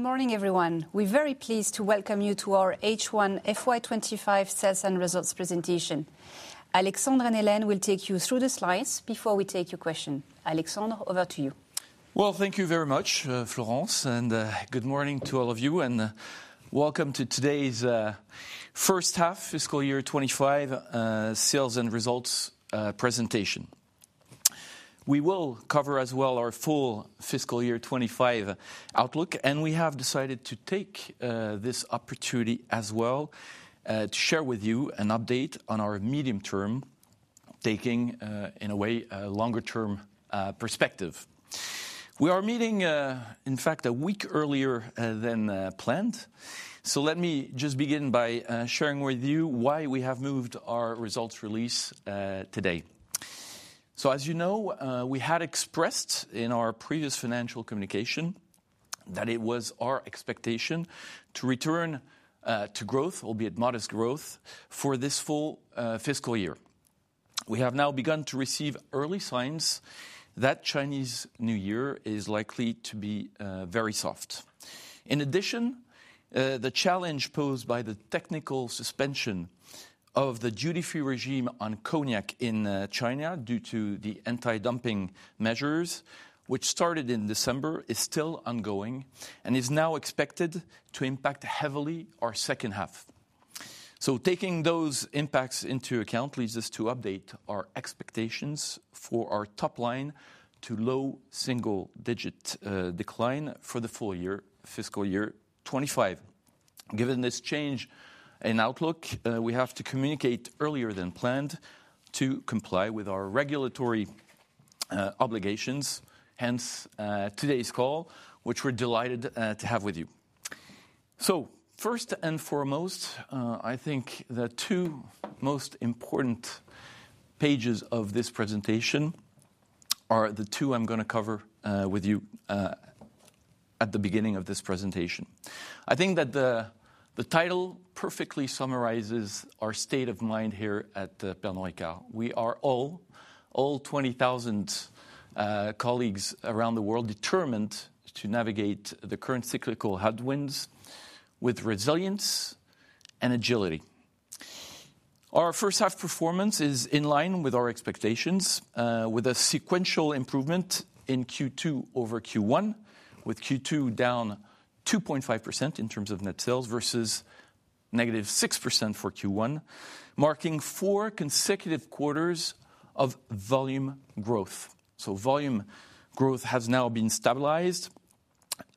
Good morning, everyone. We're very pleased to welcome you to our H1 FY 2025 Sales and Results presentation. Alexandre and Hélène will take you through the slides before we take your questions. Alexandre, over to you. Thank you very much, Florence, and good morning to all of you, and welcome to today's first half, fiscal year 2025, sales and results presentation. We will cover as well our full fiscal year 2025 outlook, and we have decided to take this opportunity as well to share with you an update on our medium term, taking in a way a longer term perspective. We are meeting, in fact, a week earlier than planned. So let me just begin by sharing with you why we have moved our results release today. So, as you know, we had expressed in our previous financial communication that it was our expectation to return to growth, albeit modest growth, for this full fiscal year. We have now begun to receive early signs that Chinese New Year is likely to be very soft. In addition, the challenge posed by the technical suspension of the duty-free regime on cognac in China due to the anti-dumping measures, which started in December, is still ongoing and is now expected to impact heavily our second half. So, taking those impacts into account leads us to update our expectations for our top line to low single-digit decline for the full year, fiscal year 2025. Given this change in outlook, we have to communicate earlier than planned to comply with our regulatory obligations, hence today's call, which we're delighted to have with you. So, first and foremost, I think the two most important pages of this presentation are the two I'm going to cover with you at the beginning of this presentation. I think that the title perfectly summarizes our state of mind here at Pernod Ricard. We are all, all 20,000 colleagues around the world determined to navigate the current cyclical headwinds with resilience and agility. Our first half performance is in line with our expectations, with a sequential improvement in Q2 over Q1, with Q2 down 2.5% in terms of net sales versus -6% for Q1, marking four consecutive quarters of volume growth. So, volume growth has now been stabilized.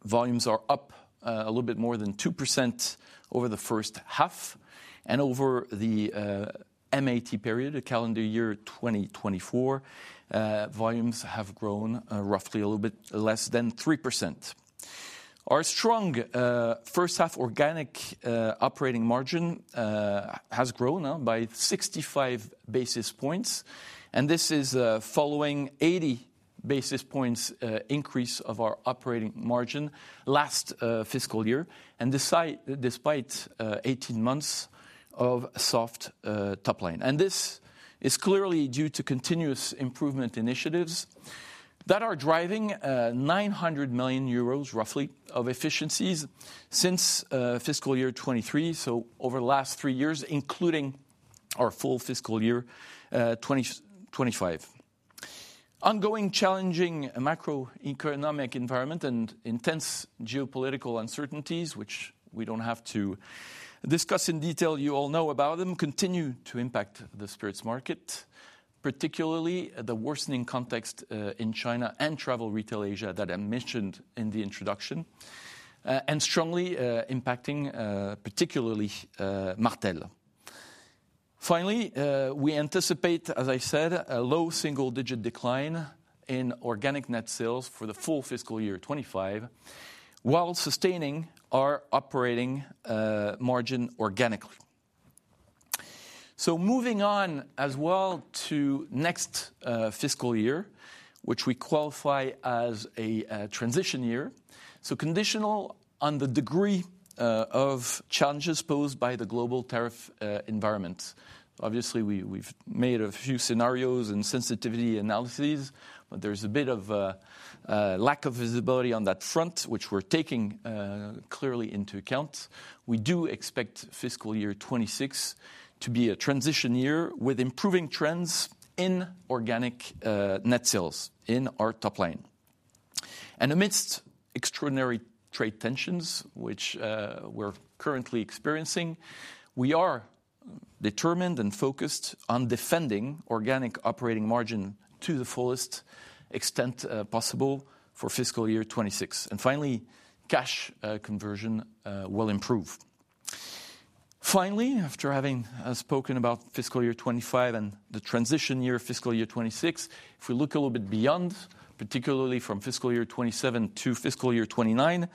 Volumes are up a little bit more than 2% over the first half, and over the MAT period, calendar year 2024, volumes have grown roughly a little bit less than 3%. Our strong first half organic operating margin has grown by 65 basis points, and this is a following 80 basis points increase of our operating margin last fiscal year, despite 18 months of soft top line. This is clearly due to continuous improvement initiatives that are driving 900 million euros, roughly, of efficiencies since fiscal year 2023, so over the last three years, including our full fiscal year 2025. Ongoing challenging macroeconomic environment and intense geopolitical uncertainties, which we don't have to discuss in detail, you all know about them, continue to impact the spirits market, particularly the worsening context in China and travel retail Asia that I mentioned in the introduction, and strongly impacting particularly Martell. Finally, we anticipate, as I said, a low single-digit decline in organic net sales for the full fiscal year 2025, while sustaining our operating margin organically. Moving on as well to next fiscal year, which we qualify as a transition year, conditional on the degree of challenges posed by the global tariff environment. Obviously, we've made a few scenarios and sensitivity analyses, but there's a bit of lack of visibility on that front, which we're taking clearly into account. We do expect fiscal year 2026 to be a transition year with improving trends in organic net sales in our top line, and amidst extraordinary trade tensions, which we're currently experiencing, we are determined and focused on defending organic operating margin to the fullest extent possible for fiscal year 2026, and finally, cash conversion will improve. Finally, after having spoken about fiscal year 2025 and the transition year fiscal year 2026, if we look a little bit beyond, particularly from fiscal year 2027 to fiscal year 2029,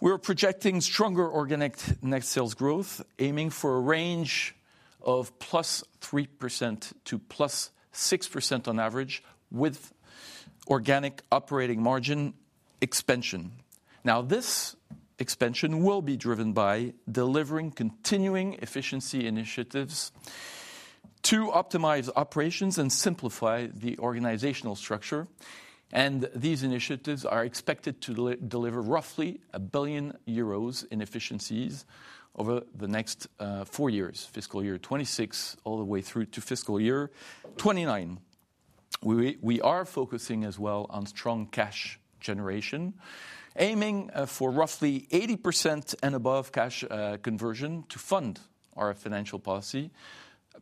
we're projecting stronger organic net sales growth, aiming for a range of +3% to +6% on average with organic operating margin expansion. Now, this expansion will be driven by delivering continuing efficiency initiatives to optimize operations and simplify the organizational structure. And these initiatives are expected to deliver roughly 1 billion euros in efficiencies over the next four years, fiscal year 2026 all the way through to fiscal year 2029. We are focusing as well on strong cash generation, aiming for roughly 80% and above cash conversion to fund our financial policy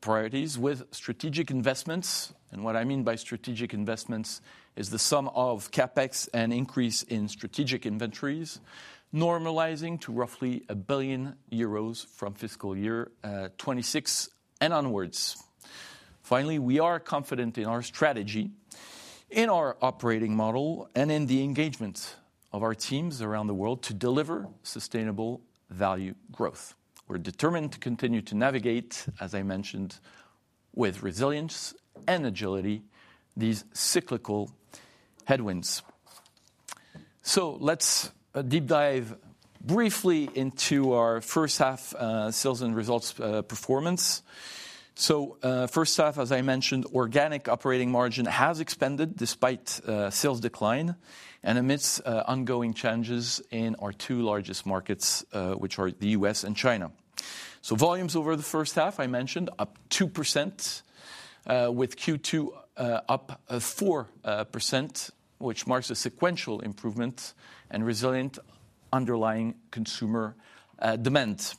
priorities with strategic investments. And what I mean by strategic investments is the sum of CapEx and increase in strategic inventories, normalizing to roughly 1 billion euros from fiscal year 2026 and onwards. Finally, we are confident in our strategy, in our operating model, and in the engagement of our teams around the world to deliver sustainable value growth. We're determined to continue to navigate, as I mentioned, with resilience and agility these cyclical headwinds. Let's deep dive briefly into our first half sales and results performance. First half, as I mentioned, organic operating margin has expanded despite sales decline and amidst ongoing challenges in our two largest markets, which are the U.S. and China. Volumes over the first half, I mentioned, up 2%, with Q2 up 4%, which marks a sequential improvement and resilient underlying consumer demand.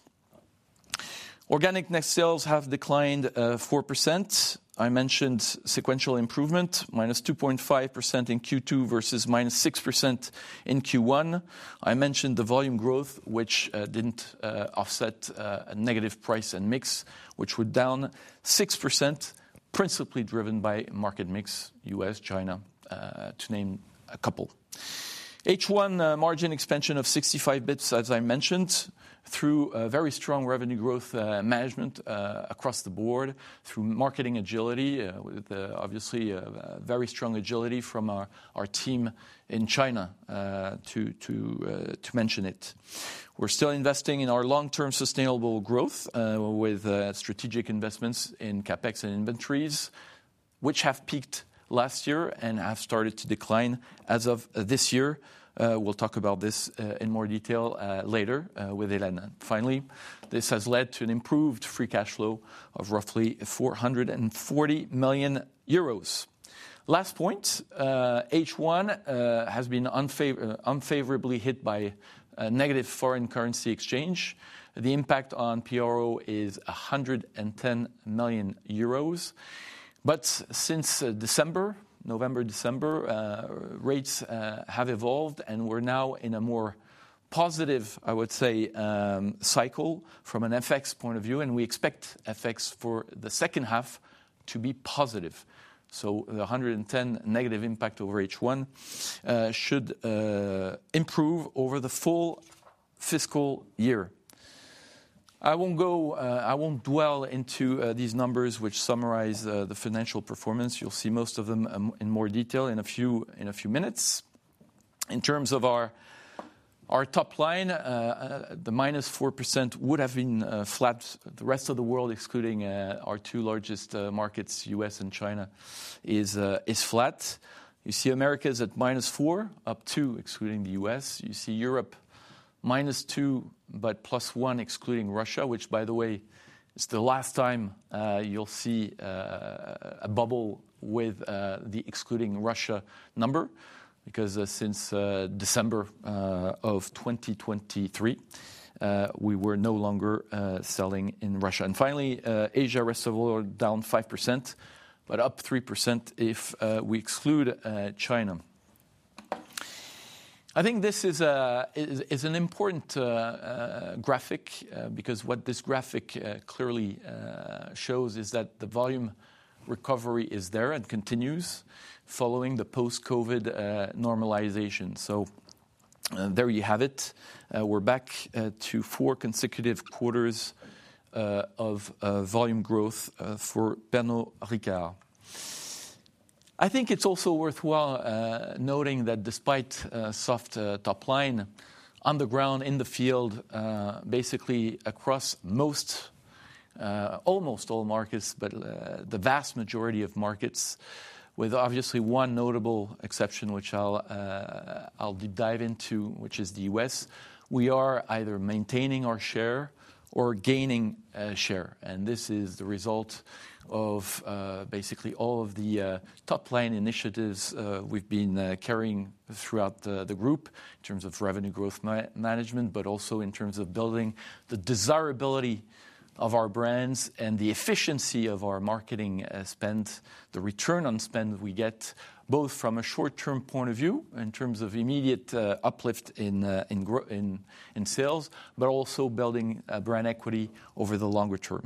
Organic net sales have declined 4%. I mentioned sequential improvement, -2.5% in Q2 versus -6% in Q1. I mentioned the volume growth, which didn't offset a negative price and mix, which were down 6%, principally driven by market mix, U.S., China, to name a couple. H1 margin expansion of 65 basis points, as I mentioned, through very strong revenue growth management across the board, through marketing agility, with obviously very strong agility from our team in China to mention it. We're still investing in our long-term sustainable growth with strategic investments in CapEx and inventories, which have peaked last year and have started to decline as of this year. We'll talk about this in more detail later with Hélène. Finally, this has led to an improved free cash flow of roughly 440 million euros. Last point, H1 has been unfavorably hit by negative foreign currency exchange. The impact on PRO is 110 million euros. But since December, November, December, rates have evolved, and we're now in a more positive, I would say, cycle from an FX point of view, and we expect FX for the second half to be positive. So, the 110 million negative impact over H1 should improve over the full fiscal year. I won't dwell into these numbers, which summarize the financial performance. You'll see most of them in more detail in a few minutes. In terms of our top line, the -4% would have been flat. The Rest of the World, excluding our two largest markets, U.S. and China, is flat. You see Americas is at -4%, up 2%, excluding the US. You see Europe -2%, but +1%, excluding Russia, which, by the way, is the last time you'll see a bubble with the excluding Russia number, because since December of 2023, we were no longer selling in Russia. And finally, Asia/Rest of the World down 5%, but up 3% if we exclude China. I think this is an important graphic, because what this graphic clearly shows is that the volume recovery is there and continues following the post-COVID normalization. So, there you have it. We're back to four consecutive quarters of volume growth for Pernod Ricard. I think it's also worthwhile noting that despite soft top line, on the ground, in the field, basically across most, almost all markets, but the vast majority of markets, with obviously one notable exception, which I'll dive into, which is the U.S., we are either maintaining our share or gaining share, and this is the result of basically all of the top line initiatives we've been carrying throughout the group in terms of revenue growth management, but also in terms of building the desirability of our brands and the efficiency of our marketing spend, the return on spend we get, both from a short-term point of view in terms of immediate uplift in sales, but also building brand equity over the longer term.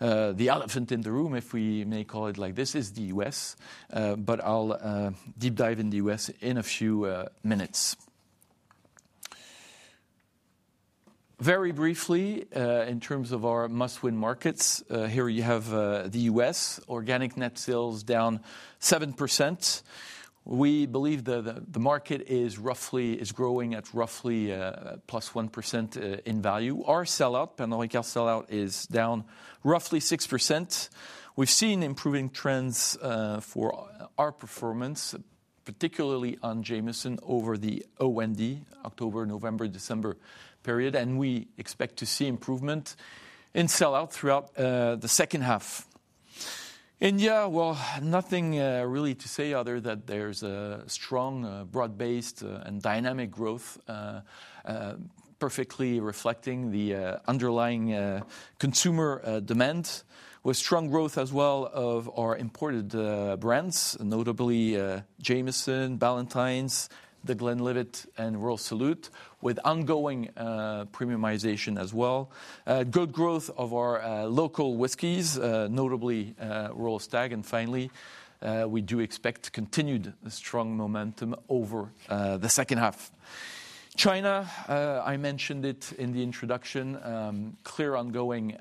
The elephant in the room, if we may call it like this, is the U.S., but I'll deep dive in the U.S. in a few minutes. Very briefly, in terms of our must-win markets, here you have the U.S., organic net sales down 7%. We believe the market is roughly growing at roughly +1% in value. Our sellout, Pernod Ricard sellout, is down roughly 6%. We've seen improving trends for our performance, particularly on Jameson over the OND October, November, December period, and we expect to see improvement in sellout throughout the second half. India, well, nothing really to say other than that there's a strong broad-based and dynamic growth, perfectly reflecting the underlying consumer demand, with strong growth as well of our imported brands, notably Jameson, Ballantine's, The Glenlivet, and Royal Salute, with ongoing premiumization as well. Good growth of our local whiskies, notably Royal Stag. And finally, we do expect continued strong momentum over the second half. China, I mentioned it in the introduction, clear ongoing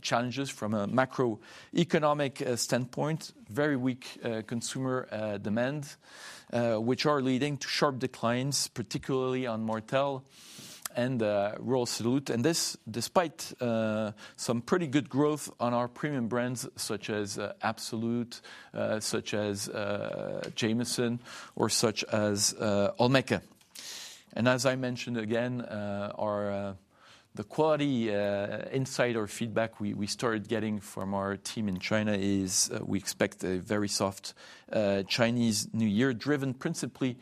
challenges from a macroeconomic standpoint, very weak consumer demand, which are leading to sharp declines, particularly on Martell and Royal Salute. And this despite some pretty good growth on our premium brands such as Absolut, such as Jameson, or such as Olmeca. And as I mentioned again, the quality insight or feedback we started getting from our team in China is we expect a very soft Chinese New Year driven principally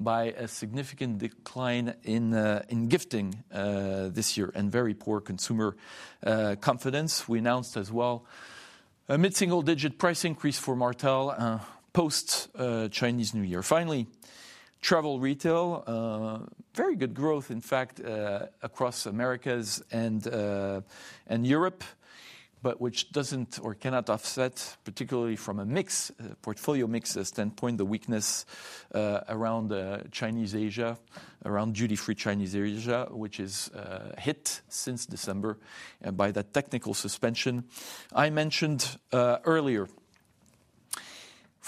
by a significant decline in gifting this year and very poor consumer confidence. We announced as well a mid-single digit price increase for Martell post-Chinese New Year. Finally, travel retail, very good growth in fact across Americas Europe, but which doesn't or cannot offset, particularly from a mixed portfolio mix standpoint, the weakness around Chinese Asia, around duty-free Chinese Asia, which has hit since December by that technical suspension I mentioned earlier.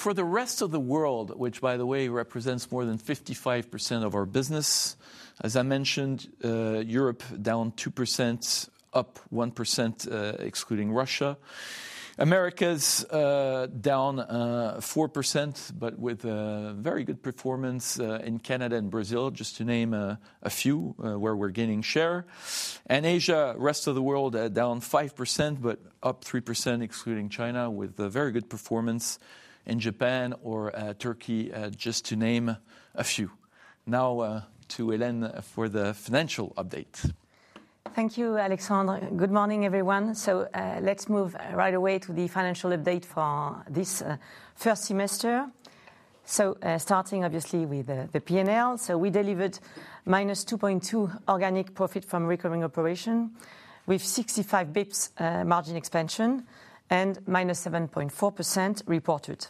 For the Rest of the World, which by the way represents more than 55% of our business, as I mentioned, Europe down 2%, up 1% excluding Russia. Americas down 4%, but with very good performance in Canada and Brazil, just to name a few where we're gaining share. Asia/Rest of the World down 5%, but up 3% excluding China with very good performance in Japan or Turkey, just to name a few. Now to Hélène for the financial update. Thank you, Alexandre. Good morning, everyone. Let's move right away to the financial update for this first semester. Starting obviously with the P&L. We delivered -2.2% organic profit from recurring operations with 65 basis points margin expansion and -7.4% reported.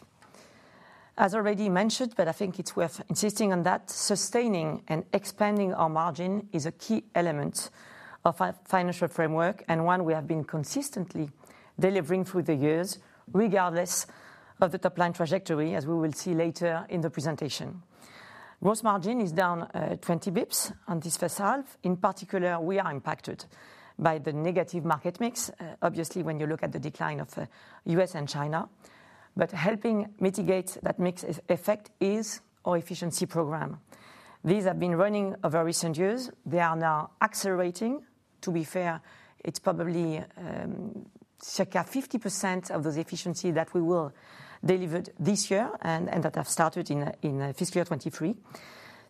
As already mentioned, but I think it's worth insisting on that, sustaining and expanding our margin is a key element of our financial framework and one we have been consistently delivering through the years regardless of the top line trajectory, as we will see later in the presentation. Gross margin is down 20 basis points on this first half. In particular, we are impacted by the negative market mix, obviously when you look at the decline of U.S. and China. But helping mitigate that mixed effect is our efficiency program. These have been running over recent years. They are now accelerating. To be fair, it's probably circa 50% of those efficiencies that we will deliver this year and that have started in fiscal year 2023.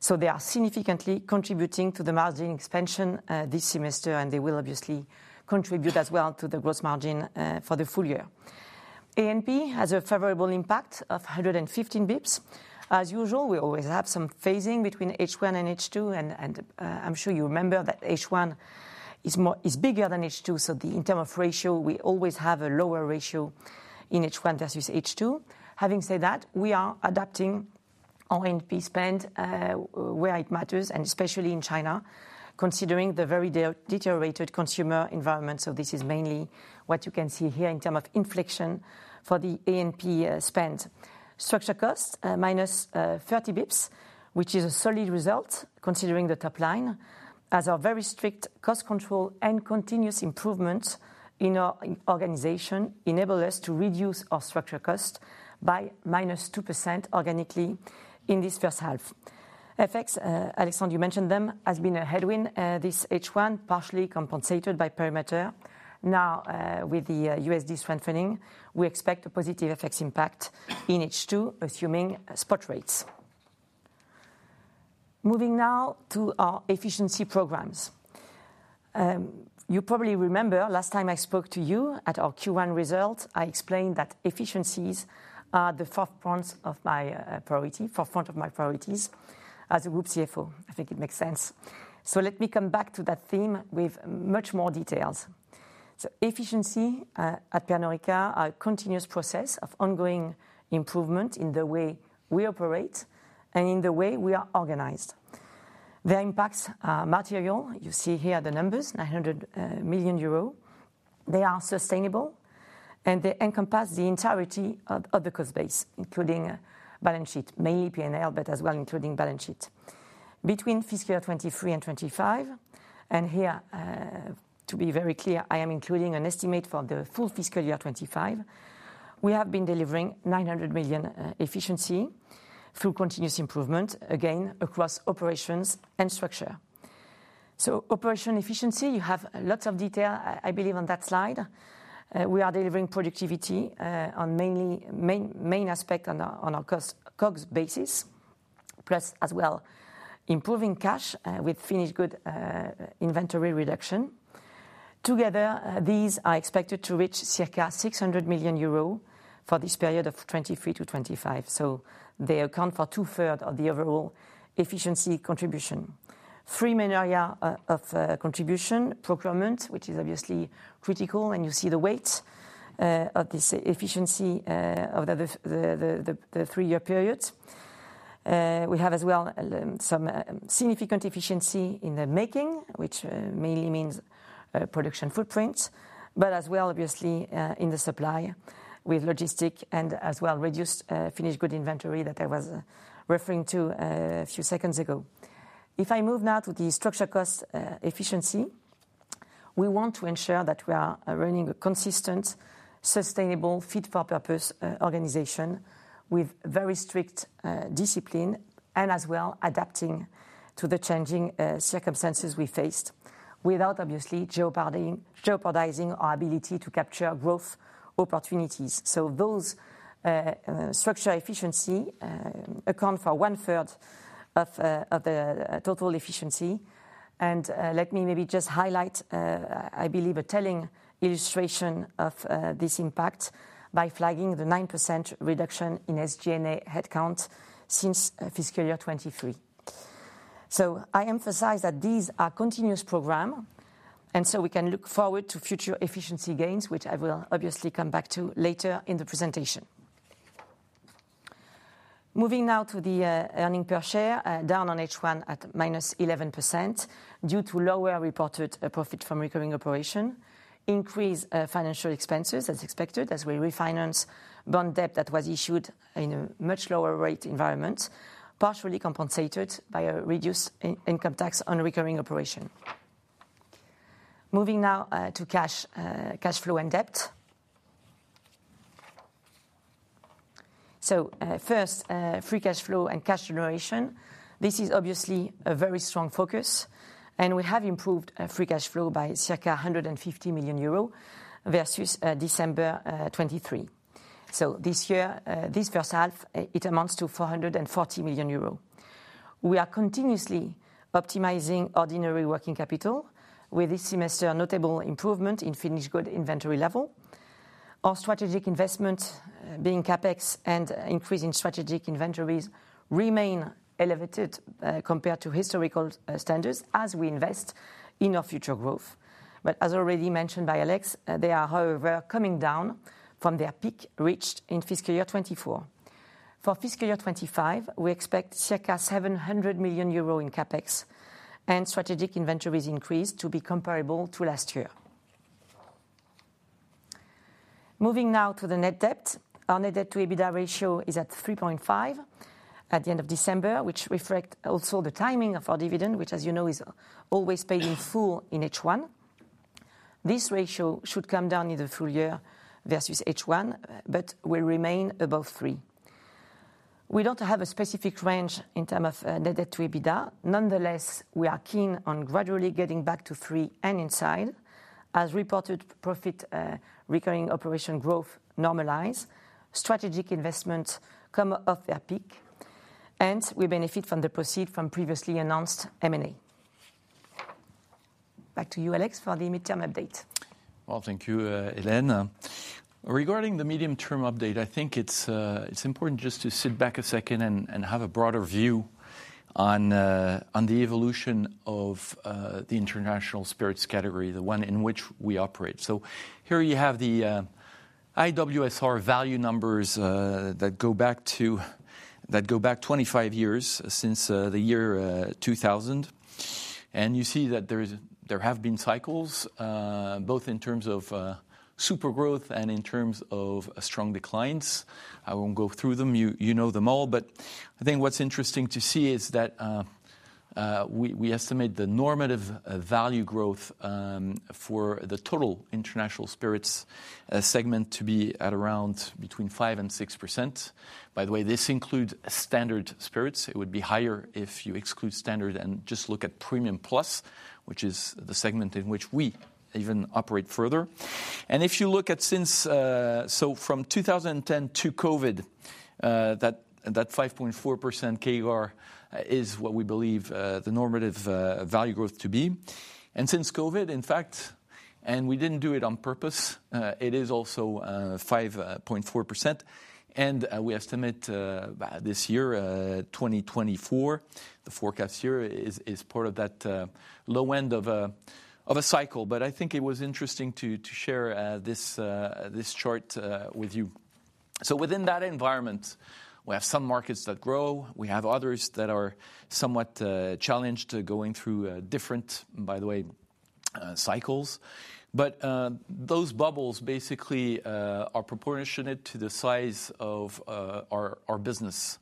So, they are significantly contributing to the margin expansion this semester, and they will obviously contribute as well to the gross margin for the full year. A&P has a favorable impact of 115 basis points. As usual, we always have some phasing between H1 and H2, and I'm sure you remember that H1 is bigger than H2. So, in terms of ratio, we always have a lower ratio in H1 versus H2. Having said that, we are adapting our A&P spend where it matters, and especially in China, considering the very deteriorated consumer environment. So, this is mainly what you can see here in terms of inflation for the A&P spend. Structural costs -30 basis points, which is a solid result considering the top line, as our very strict cost control and continuous improvements in our organization enable us to reduce our structural costs by -2% organically in this first half. FX, Alexandre, you mentioned them, has been a headwind this H1, partially compensated by perimeter now with the USD strengthening. We expect a positive FX impact in H2, assuming spot rates. Moving now to our efficiency programs. You probably remember last time I spoke to you at our Q1 result. I explained that efficiencies are the forefront of my priority, forefront of my priorities as a Group CFO. I think it makes sense. So, let me come back to that theme with much more details. So, efficiency at Pernod Ricard is a continuous process of ongoing improvement in the way we operate and in the way we are organized. The impacts are material. You see here the numbers, 900 million euro. They are sustainable, and they encompass the entirety of the cost base, including balance sheet, mainly P&L, but as well including balance sheet. Between fiscal year 2023 and 2025, and here, to be very clear, I am including an estimate for the full fiscal year 2025, we have been delivering 900 million efficiency through continuous improvement, again, across operations and structure. So, operation efficiency, you have lots of detail, I believe, on that slide. We are delivering productivity on mainly main aspect on our cost COGS basis, as well as improving cash with finished goods inventory reduction. Together, these are expected to reach circa 600 million euro for this period of 2023 to 2025. So, they account for 2/3 of the overall efficiency contribution. Three main areas of contribution procurement, which is obviously critical, and you see the weight of this efficiency over the three-year period. We have as well some significant efficiency in the making, which mainly means production footprint, but as well, obviously, in the supply with logistic and as well reduced finished good inventory that I was referring to a few seconds ago. If I move now to the structure cost efficiency, we want to ensure that we are running a consistent, sustainable, fit-for-purpose organization with very strict discipline and as well adapting to the changing circumstances we faced without obviously jeopardizing our ability to capture growth opportunities. Those structure efficiency account for one-third of the total efficiency. And let me maybe just highlight, I believe, a telling illustration of this impact by flagging the 9% reduction in SG&A headcount since fiscal year 2023. I emphasize that these are continuous programs, and so we can look forward to future efficiency gains, which I will obviously come back to later in the presentation. Moving now to the earnings per share down in H1 at -11% due to lower reported profit from recurring operations, increased financial expenses as expected as we refinance bond debt that was issued in a much lower rate environment, partially compensated by a reduced income tax on recurring operations. Moving now to cash flow and debt. First, free cash flow and cash generation. This is obviously a very strong focus, and we have improved free cash flow by circa 150 million euro versus December 2023. This year, this first half, it amounts to 440 million euros. We are continuously optimizing ordinary working capital with this semester's notable improvement in finished goods inventory level. Our strategic investment, being CapEx and increasing strategic inventories, remain elevated compared to historical standards as we invest in our future growth. But as already mentioned by Alex, they are, however, coming down from their peak reached in fiscal year 2024. For fiscal year 2025, we expect circa 700 million euro in CapEx and strategic inventories increase to be comparable to last year. Moving now to the net debt, our net debt-to-EBITDA ratio is at 3.5 at the end of December, which reflects also the timing of our dividend, which, as you know, is always paid in full in H1. This ratio should come down in the full year versus H1, but will remain above three. We don't have a specific range in terms of net debt-to-EBITDA. Nonetheless, we are keen on gradually getting back to 3% and in line as-reported PRO growth normalizes, strategic investments come off their peak, and we benefit from the proceeds from previously announced M&A. Back to you, Alex, for the mid-term update. Well, thank you, Hélène. Regarding the medium-term update, I think it's important just to sit back a second and have a broader view on the evolution of the international spirits category, the one in which we operate. So, here you have the IWSR value numbers that go back 25 years since the year 2000. You see that there have been cycles both in terms of super growth and in terms of strong declines. I won't go through them. You know them all. I think what's interesting to see is that we estimate the normative value growth for the total international spirits segment to be at around between 5% and 6%. By the way, this includes standard spirits. It would be higher if you exclude standard and just look at Premium+, which is the segment in which we even operate further. And if you look at since so from 2010 to COVID, that 5.4% CAGR is what we believe the normative value growth to be. And since COVID, in fact, and we didn't do it on purpose, it is also 5.4%. And we estimate this year, 2024, the forecast year is part of that low end of a cycle. I think it was interesting to share this chart with you. So, within that environment, we have some markets that grow. We have others that are somewhat challenged going through different, by the way, cycles. But those bubbles basically are proportionate to the size of our business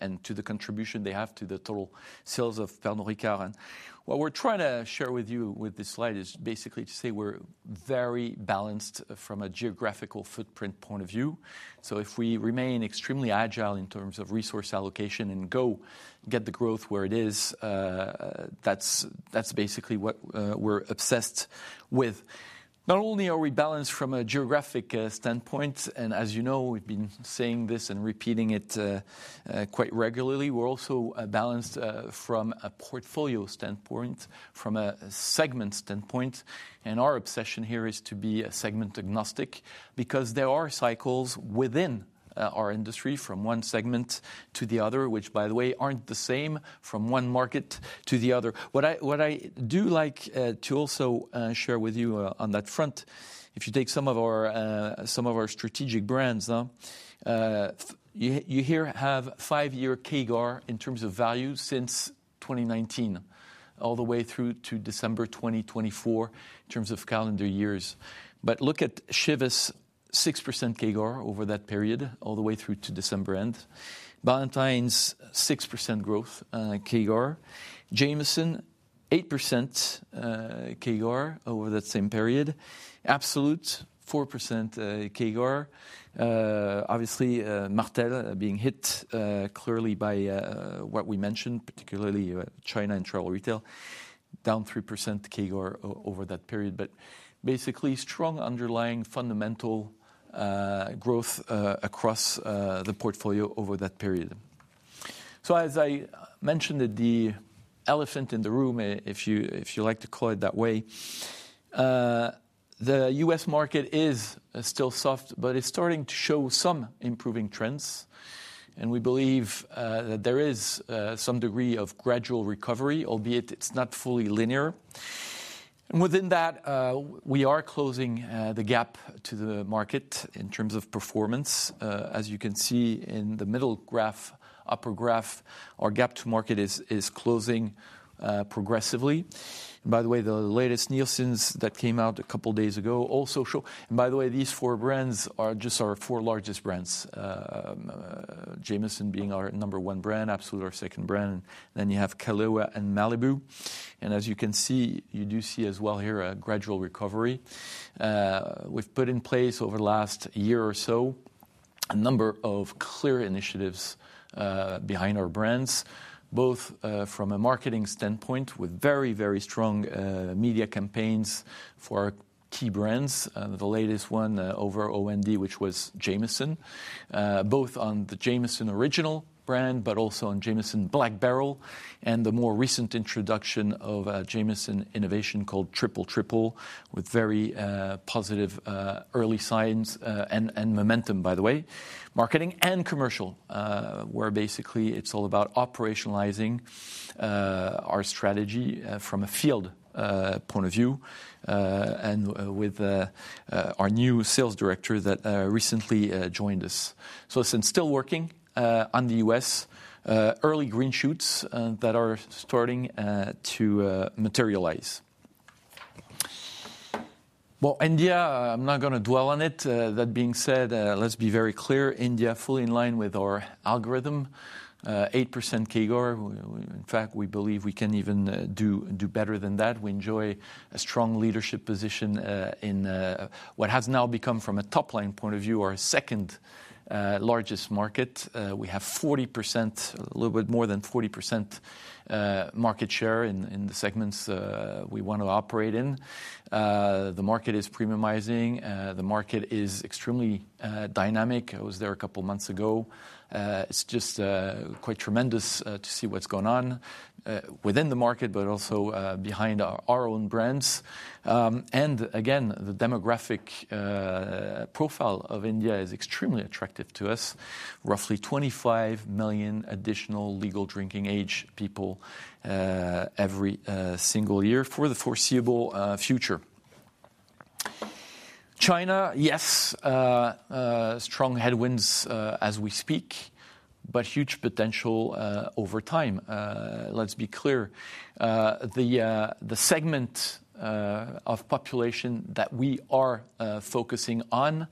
and to the contribution they have to the total sales of Pernod Ricard. And what we're trying to share with you with this slide is basically to say we're very balanced from a geographical footprint point of view. So, if we remain extremely agile in terms of resource allocation and go get the growth where it is, that's basically what we're obsessed with. Not only are we balanced from a geographic standpoint, and as you know, we've been saying this and repeating it quite regularly, we're also balanced from a portfolio standpoint, from a segment standpoint. Our obsession here is to be segment-agnostic because there are cycles within our industry from one segment to the other, which, by the way, aren't the same from one market to the other. What I do like to also share with you on that front, if you take some of our strategic brands, you here have five-year CAGR in terms of value since 2019 all the way through to December 2024 in terms of calendar years. But look at Chivas 6% CAGR over that period all the way through to December end, Ballantine's 6% growth CAGR, Jameson 8% CAGR over that same period, Absolut 4% CAGR. Obviously, Martell being hit clearly by what we mentioned, particularly China and travel retail, down 3% CAGR over that period. But basically, strong underlying fundamental growth across the portfolio over that period. As I mentioned, the elephant in the room, if you like to call it that way, the U.S. market is still soft, but it's starting to show some improving trends. We believe that there is some degree of gradual recovery, albeit it's not fully linear. Within that, we are closing the gap to the market in terms of performance. As you can see in the middle graph, upper graph, our gap to market is closing progressively. By the way, the latest Nielsen's that came out a couple of days ago also show, by the way, these four brands are just our four largest brands, Jameson being our number one brand, Absolut our second brand, and then you have Kahlúa and Malibu. As you can see, you do see as well here a gradual recovery. We've put in place over the last year or so a number of clear initiatives behind our brands, both from a marketing standpoint with very, very strong media campaigns for key brands. The latest one over OND, which was Jameson, both on the Jameson original brand, but also on Jameson Black Barrel and the more recent introduction of Jameson innovation called Triple Triple with very positive early signs and momentum, by the way. Marketing and commercial where basically it's all about operationalizing our strategy from a field point of view and with our new sales director that recently joined us. So, since still working on the U.S., early green shoots that are starting to materialize. India, I'm not going to dwell on it. That being said, let's be very clear. India, fully in line with our algorithm, 8% CAGR. In fact, we believe we can even do better than that. We enjoy a strong leadership position in what has now become from a top-line point of view, our second largest market. We have 40%, a little bit more than 40% market share in the segments we want to operate in. The market is premiumizing. The market is extremely dynamic. I was there a couple of months ago. It's just quite tremendous to see what's going on within the market, but also behind our own brands. And again, the demographic profile of India is extremely attractive to us. Roughly 25 million additional legal drinking age people every single year for the foreseeable future. China, yes, strong headwinds as we speak, but huge potential over time. Let's be clear. The segment of population that we are focusing on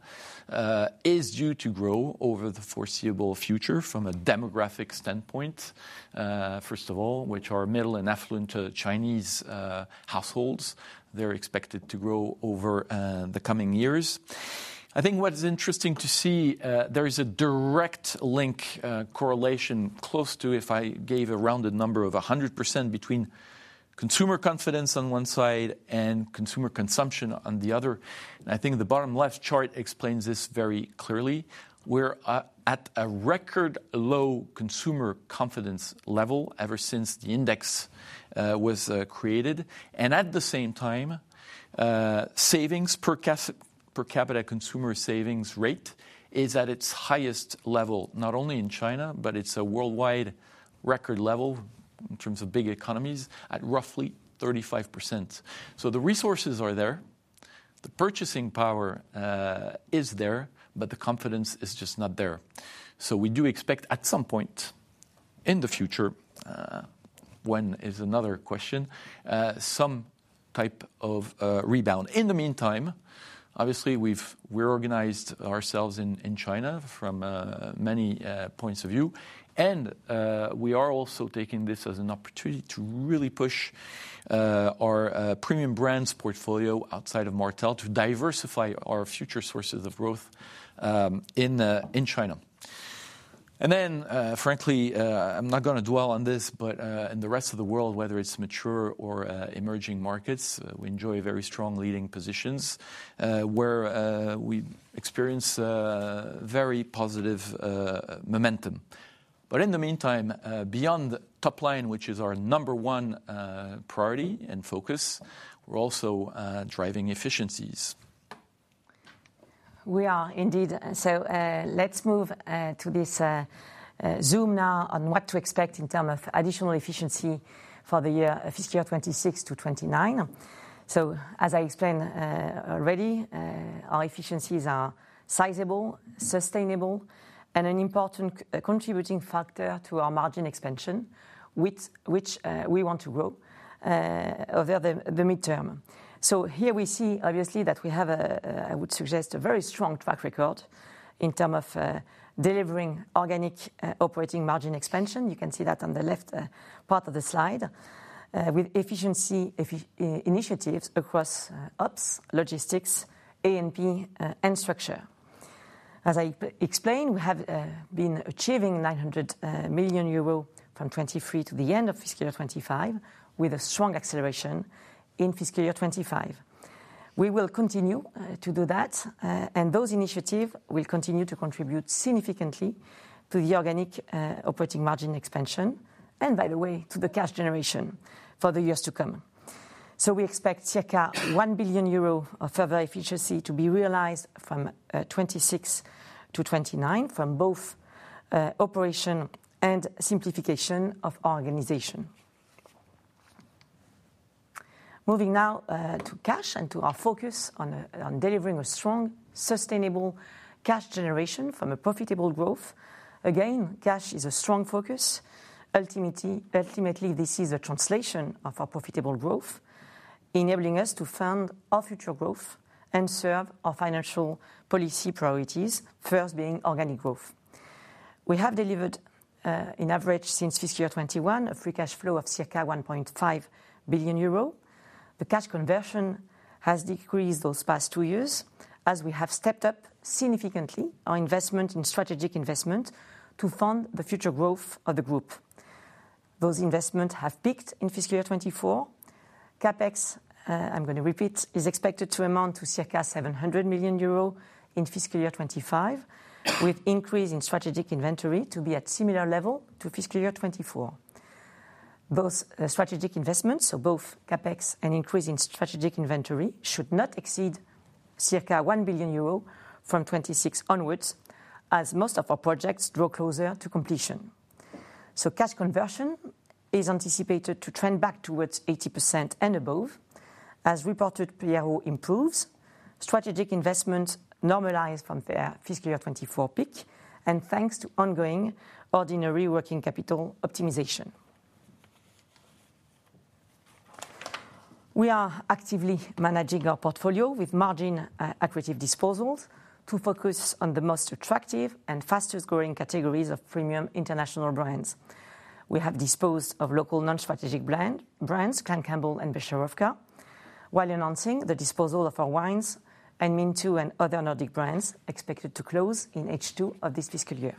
is due to grow over the foreseeable future from a demographic standpoint, first of all, which are middle and affluent Chinese households. They're expected to grow over the coming years. I think what is interesting to see, there is a direct link correlation close to if I gave a rounded number of 100% between consumer confidence on one side and consumer consumption on the other. And I think the bottom left chart explains this very clearly. We're at a record low consumer confidence level ever since the index was created. And at the same time, savings per capita consumer savings rate is at its highest level, not only in China, but it's a worldwide record level in terms of big economies at roughly 35%. So, the resources are there. The purchasing power is there, but the confidence is just not there. So, we do expect at some point in the future, when is another question, some type of rebound. In the meantime, obviously, we've reorganized ourselves in China from many points of view. And we are also taking this as an opportunity to really push our premium brands portfolio outside of Martell to diversify our future sources of growth in China. And then, frankly, I'm not going to dwell on this, but in the Rest of the World, whether it's mature or emerging markets, we enjoy very strong leading positions where we experience very positive momentum. But in the meantime, beyond top line, which is our number one priority and focus, we're also driving efficiencies. We are indeed. So, let's move to this zoom now on what to expect in terms of additional efficiency for the year fiscal year 2026 to 2029. So, as I explained already, our efficiencies are sizable, sustainable, and an important contributing factor to our margin expansion, which we want to grow over the midterm. So, here we see obviously that we have, I would suggest, a very strong track record in terms of delivering organic operating margin expansion. You can see that on the left part of the slide with efficiency initiatives across ops, logistics, A&P, and structure. As I explained, we have been achieving 900 million euro from 2023 to the end of fiscal year 2025 with a strong acceleration in fiscal year 2025. We will continue to do that, and those initiatives will continue to contribute significantly to the organic operating margin expansion and, by the way, to the cash generation for the years to come. We expect circa 1 billion euro of further efficiency to be realized from 2026 to 2029 from both operations and simplification of our organization. Moving now to cash and to our focus on delivering a strong, sustainable cash generation from a profitable growth. Again, cash is a strong focus. Ultimately, this is a translation of our profitable growth, enabling us to fund our future growth and serve our financial policy priorities, first being organic growth. We have delivered, on average since fiscal year 2021, a free cash flow of circa 1.5 billion euro. The cash conversion has decreased those past two years as we have stepped up significantly our investments in strategic inventories to fund the future growth of the group. Those investments have peaked in fiscal year 2024. CapEx, I'm going to repeat, is expected to amount to circa 700 million euro in fiscal year 2025, with increase in strategic inventory to be at similar level to fiscal year 2024. Both strategic investments, so both CapEx and increase in strategic inventory should not exceed circa 1 billion euro from 2026 onwards as most of our projects draw closer to completion. So, cash conversion is anticipated to trend back towards 80% and above as reported PRO improves. Strategic investments normalize from their fiscal year 2024 peak and thanks to ongoing ordinary working capital optimization. We are actively managing our portfolio with margin accretive disposals to focus on the most attractive and fastest growing categories of premium international brands. We have disposed of local non-strategic brands, Clan Campbell and Becherovka, while announcing the disposal of our wines, and Minttu and other Nordic brands expected to close in H2 of this fiscal year.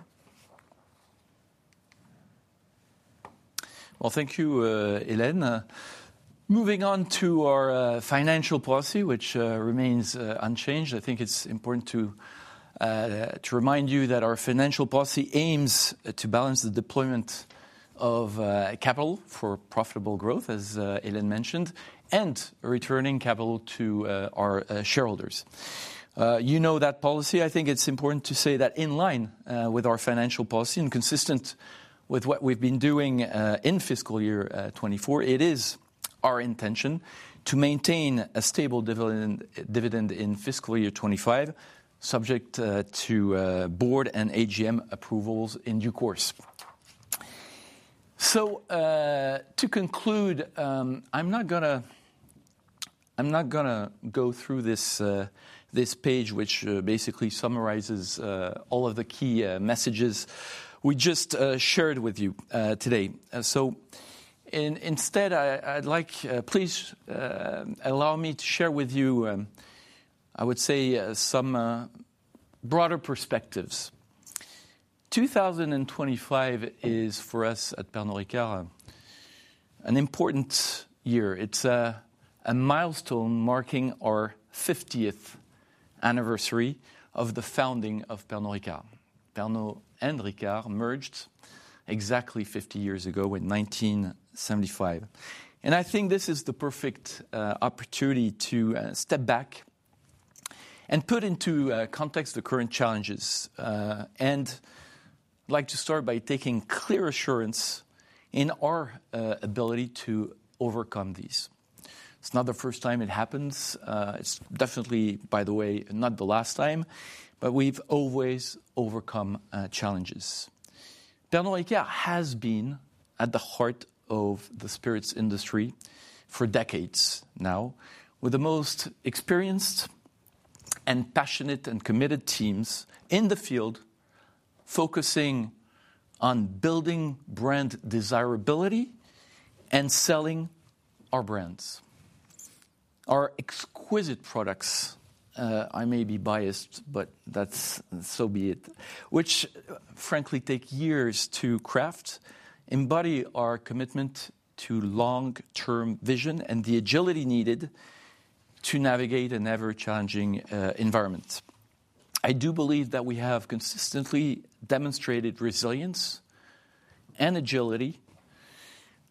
Thank you, Hélène. Moving on to our financial policy, which remains unchanged. I think it's important to remind you that our financial policy aims to balance the deployment of capital for profitable growth, as Hélène mentioned, and returning capital to our shareholders. You know that policy. I think it's important to say that in line with our financial policy and consistent with what we've been doing in fiscal year 2024, it is our intention to maintain a stable dividend in fiscal year 2025, subject to board and AGM approvals in due course. To conclude, I'm not going to go through this page, which basically summarizes all of the key messages we just shared with you today. Instead, I'd like please allow me to share with you, I would say, some broader perspectives, 2025 is for us at Pernod Ricard an important year. It's a milestone marking our 50th anniversary of the founding of Pernod Ricard. Pernod and Ricard merged exactly 50 years ago in 1975. I think this is the perfect opportunity to step back and put into context the current challenges. I'd like to start by taking clear assurance in our ability to overcome these. It's not the first time it happens. It's definitely, by the way, not the last time, but we've always overcome challenges. Pernod Ricard has been at the heart of the spirits industry for decades now, with the most experienced and passionate and committed teams in the field focusing on building brand desirability and selling our brands. Our exquisite products, I may be biased, but that's so be it, which frankly take years to craft, embody our commitment to long-term vision and the agility needed to navigate an ever-challenging environment. I do believe that we have consistently demonstrated resilience and agility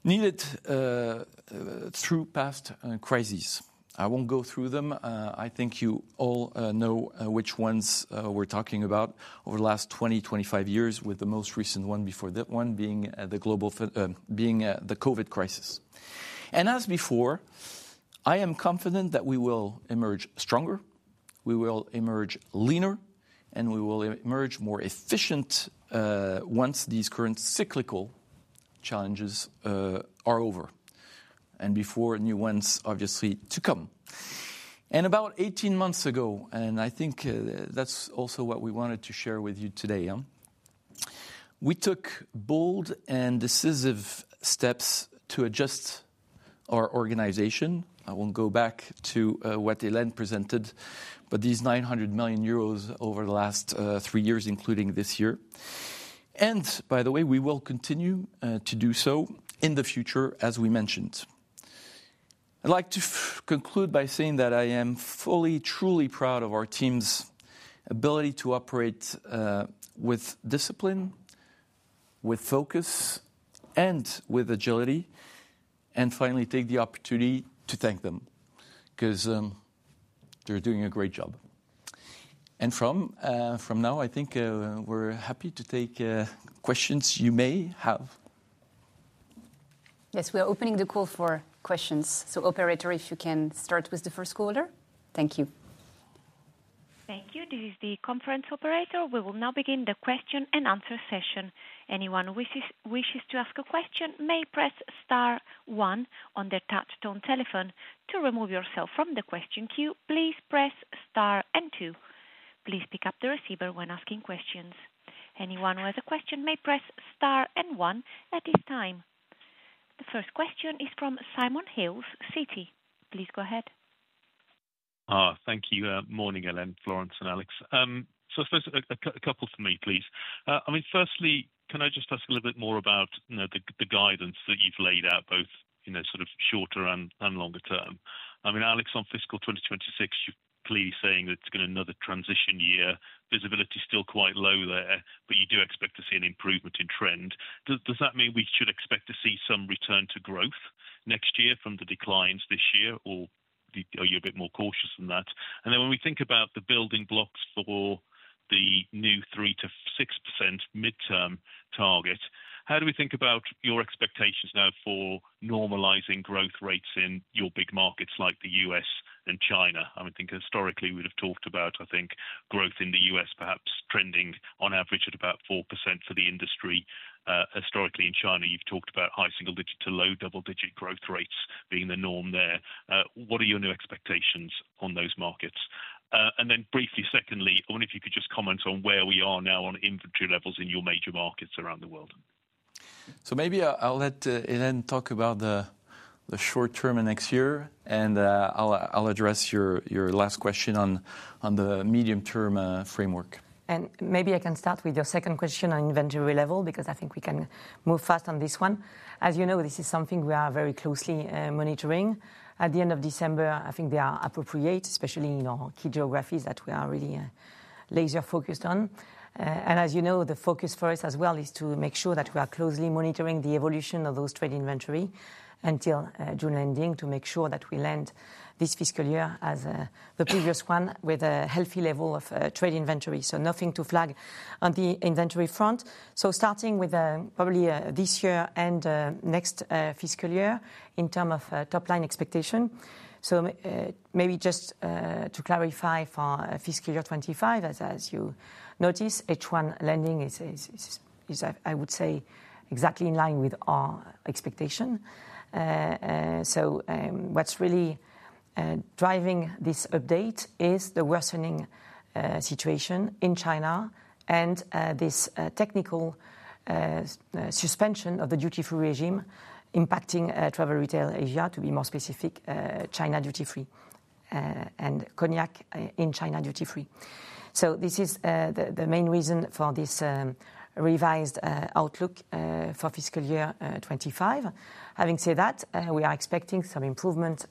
needed through past crises. I won't go through them. I think you all know which ones we're talking about over the last 20, 25 years, with the most recent one before that one being the COVID crisis. And as before, I am confident that we will emerge stronger, we will emerge leaner, and we will emerge more efficient once these current cyclical challenges are over and before new ones obviously to come. And about 18 months ago, and I think that's also what we wanted to share with you today, we took bold and decisive steps to adjust our organization. I won't go back to what Hélène presented, but these 900 million euros over the last three years, including this year. And by the way, we will continue to do so in the future, as we mentioned. I'd like to conclude by saying that I am fully, truly proud of our team's ability to operate with discipline, with focus, and with agility, and finally take the opportunity to thank them because they're doing a great job. From now, I think we're happy to take questions you may have. Yes, we are opening the call for questions. So, Operator, if you can start with the first caller. Thank you. Thank you. This is the conference operator. We will now begin the question and answer session. Anyone who wishes to ask a question may press star one on their touch-tone telephone. To remove yourself from the question queue, please press star and two. Please pick up the receiver when asking questions. Anyone who has a question may press star and one at this time. The first question is from Simon Hales, Citi. Please go ahead. Thank you. Morning, Hélène, Florence, and Alex. So, I suppose a couple for me, please. I mean, firstly, can I just ask a little bit more about the guidance that you've laid out, both sort of shorter and longer term? I mean, Alex, on fiscal 2026, you're clearly saying that it's going to be another transition year. Visibility is still quite low there, but you do expect to see an improvement in trend. Does that mean we should expect to see some return to growth next year from the declines this year, or are you a bit more cautious than that? And then when we think about the building blocks for the new 3%-6% midterm target, how do we think about your expectations now for normalizing growth rates in your big markets like the U.S. and China? I mean, I think historically we would have talked about, I think, growth in the US perhaps trending on average at about 4% for the industry. Historically in China, you've talked about high single-digit to low double-digit growth rates being the norm there. What are your new expectations on those markets? And then briefly, secondly, I wonder if you could just comment on where we are now on inventory levels in your major markets around the world. So, maybe I'll let Hélène talk about the short term next year, and I'll address your last question on the medium-term framework. And maybe I can start with your second question on inventory level because I think we can move fast on this one. As you know, this is something we are very closely monitoring. At the end of December, I think they are appropriate, especially in our key geographies that we are really laser-focused on. And as you know, the focus for us as well is to make sure that we are closely monitoring the evolution of those trade inventory until June ending to make sure that we land this fiscal year as the previous one with a healthy level of trade inventory. Nothing to flag on the inventory front. Starting with probably this year and next fiscal year in terms of top line expectation. Maybe just to clarify for fiscal year 2025, as you notice, H1 landing is, I would say, exactly in line with our expectation. What's really driving this update is the worsening situation in China and this technical suspension of the duty-free regime impacting travel retail Asia, to be more specific, China duty-free and cognac in China duty-free. This is the main reason for this revised outlook for fiscal year 2025. Having said that, we are expecting some improvements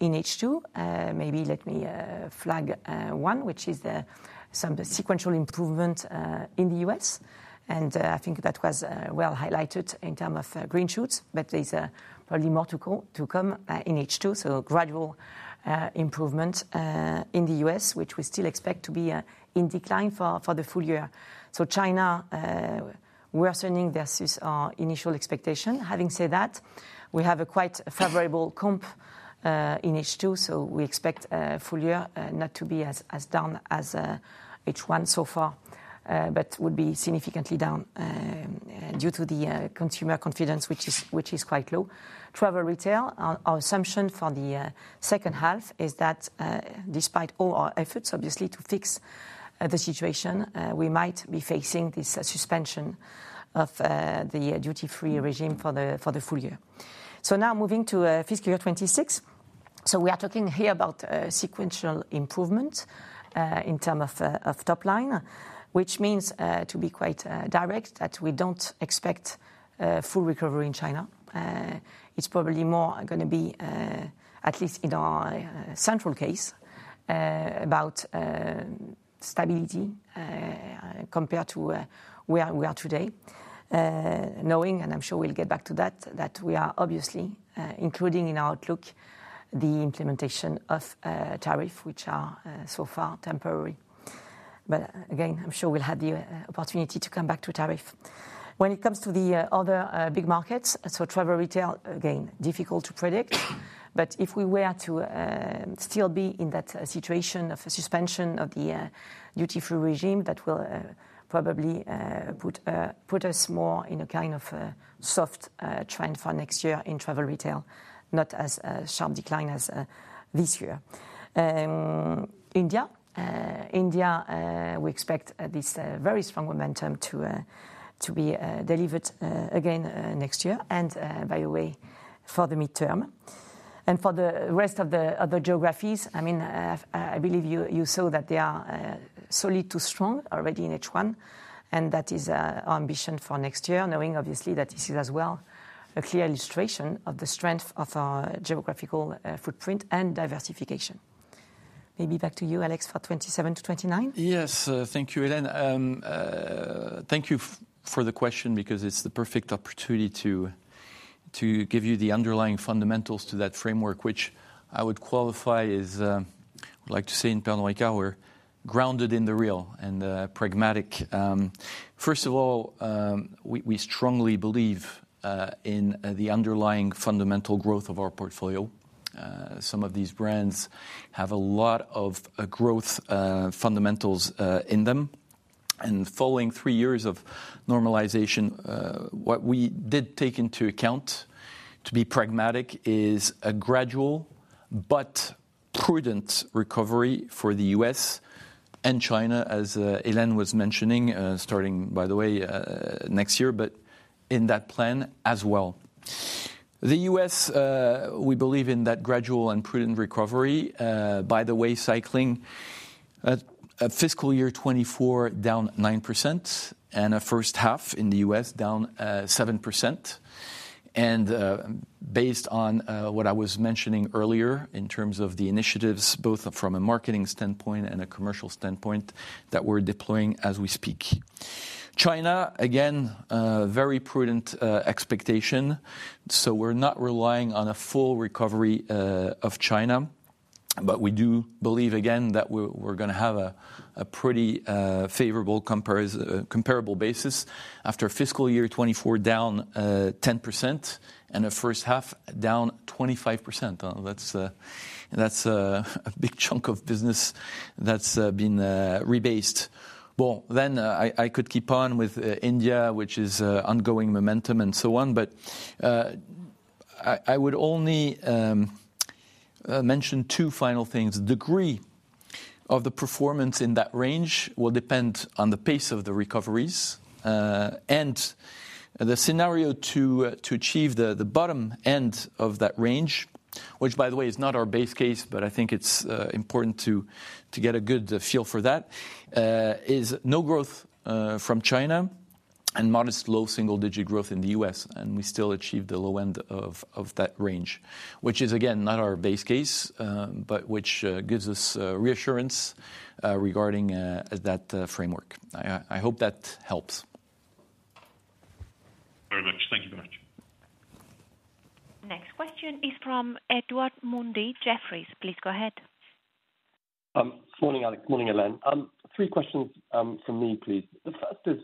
in H2. Maybe let me flag one, which is some sequential improvement in the US. I think that was well highlighted in terms of green shoots, but there's probably more to come in H2. Gradual improvement in the U.S., which we still expect to be in decline for the full year. China worsening versus our initial expectation. Having said that, we have a quite favorable comp in H2. We expect full year not to be as down as H1 so far, but would be significantly down due to the consumer confidence, which is quite low. Travel retail, our assumption for the second half is that despite all our efforts, obviously, to fix the situation, we might be facing this suspension of the duty-free regime for the full year. Now moving to fiscal year 2026. We are talking here about sequential improvements in terms of top line, which means to be quite direct that we don't expect full recovery in China. It's probably more going to be, at least in our central case, about stability compared to where we are today, knowing, and I'm sure we'll get back to that, that we are obviously including in our outlook the implementation of tariffs, which are so far temporary. But again, I'm sure we'll have the opportunity to come back to tariff. When it comes to the other big markets, so travel retail, again, difficult to predict. But if we were to still be in that situation of suspension of the duty-free regime, that will probably put us more in a kind of soft trend for next year in travel retail, not as a sharp decline as this year. India, we expect this very strong momentum to be delivered again next year, and by the way, for the midterm. And for the rest of the other geographies, I mean, I believe you saw that they are solid to strong already in H1, and that is our ambition for next year, knowing obviously that this is as well a clear illustration of the strength of our geographical footprint and diversification. Maybe back to you, Alex, for 2027 to 2029. Yes, thank you, Hélène. Thank you for the question because it's the perfect opportunity to give you the underlying fundamentals to that framework, which I would qualify as, I would like to say in Pernod Ricard, we're grounded in the real and the pragmatic. First of all, we strongly believe in the underlying fundamental growth of our portfolio. Some of these brands have a lot of growth fundamentals in them. Following three years of normalization, what we did take into account to be pragmatic is a gradual but prudent recovery for the U.S. and China, as Hélène was mentioning, starting, by the way, next year, but in that plan as well. The U.S., we believe in that gradual and prudent recovery. By the way, cycling fiscal year 2024 down 9% and a first half in the U.S. down 7%. Based on what I was mentioning earlier in terms of the initiatives, both from a marketing standpoint and a commercial standpoint that we're deploying as we speak. China, again, very prudent expectation. So, we're not relying on a full recovery of China, but we do believe again that we're going to have a pretty favorable comparable basis after fiscal year 2024 down 10% and a first half down 25%. That's a big chunk of business that's been rebased. I could keep on with India, which is ongoing momentum and so on, but I would only mention two final things. The degree of the performance in that range will depend on the pace of the recoveries. The scenario to achieve the bottom end of that range, which by the way is not our base case, but I think it's important to get a good feel for that, is no growth from China and modest low single-digit growth in the U.S. We still achieve the low end of that range, which is again not our base case, but which gives us reassurance regarding that framework. I hope that helps. Very much. Thank you very much. Next question is from Edward Mundy, Jefferies. Please go ahead. Good morning, Alex. Good morning, Hélène. Three questions from me, please. The first is,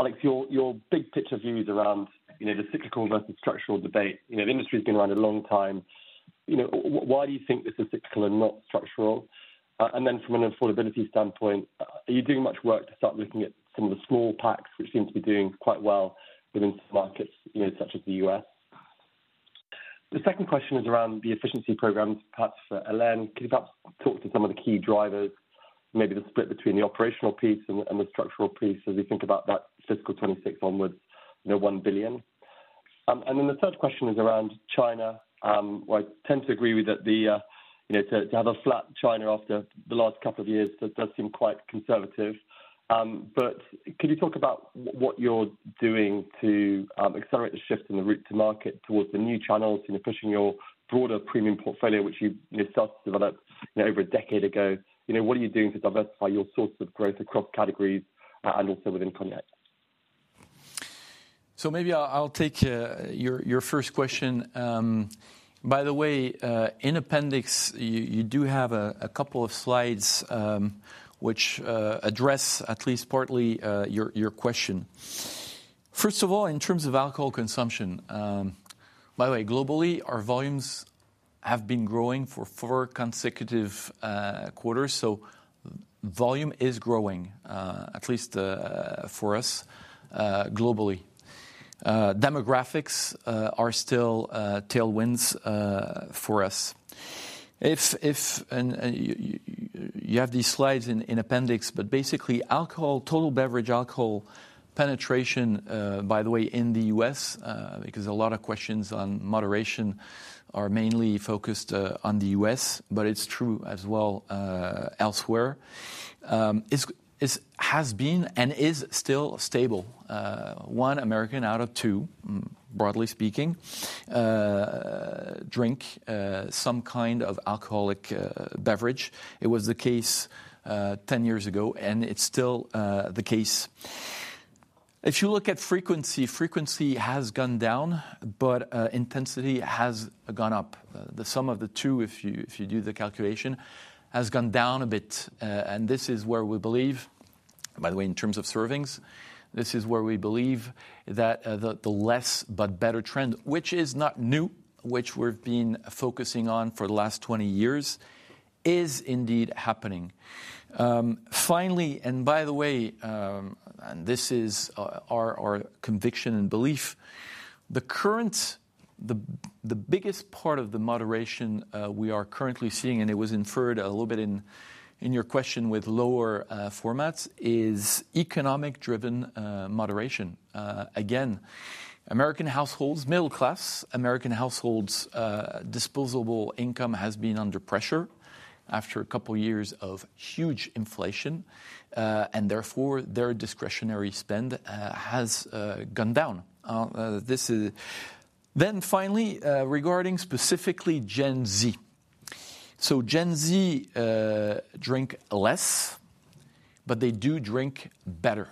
Alex, your big picture views around the cyclical versus structural debate. The industry has been around a long time. Why do you think this is cyclical and not structural? And then from an affordability standpoint, are you doing much work to start looking at some of the small packs, which seem to be doing quite well within some markets such as the U.S.? The second question is around the efficiency programs, perhaps for Hélène. Can you perhaps talk to some of the key drivers, maybe the split between the operational piece and the structural piece as we think about that fiscal 2026 onwards, the $1 billion? And then the third question is around China, where I tend to agree with that to have a flat China after the last couple of years does seem quite conservative. But could you talk about what you're doing to accelerate the shift in the route to market towards the new channels, pushing your broader premium portfolio, which you started to develop over a decade ago? What are you doing to diversify your source of growth across categories and also within cognac? So, maybe I'll take your first question. By the way, in appendix, you do have a couple of slides which address at least partly your question. First of all, in terms of alcohol consumption, by the way, globally, our volumes have been growing for four consecutive quarters. So, volume is growing, at least for us globally. Demographics are still tailwinds for us. You have these slides in appendix, but basically, total beverage alcohol penetration, by the way, in the U.S., because a lot of questions on moderation are mainly focused on the U.S., but it's true as well elsewhere, has been and is still stable. One American out of two, broadly speaking, drink some kind of alcoholic beverage. It was the case 10 years ago, and it's still the case. If you look at frequency, frequency has gone down, but intensity has gone up. The sum of the two, if you do the calculation, has gone down a bit, and this is where we believe, by the way, in terms of servings, this is where we believe that the less but better trend, which is not new, which we've been focusing on for the last 20 years, is indeed happening. Finally, and by the way, and this is our conviction and belief, the biggest part of the moderation we are currently seeing, and it was inferred a little bit in your question with lower formats, is economic-driven moderation. Again, American households, middle class American households' disposable income has been under pressure after a couple of years of huge inflation, and therefore their discretionary spend has gone down, then finally, regarding specifically Gen Z, so Gen Z drink less, but they do drink better,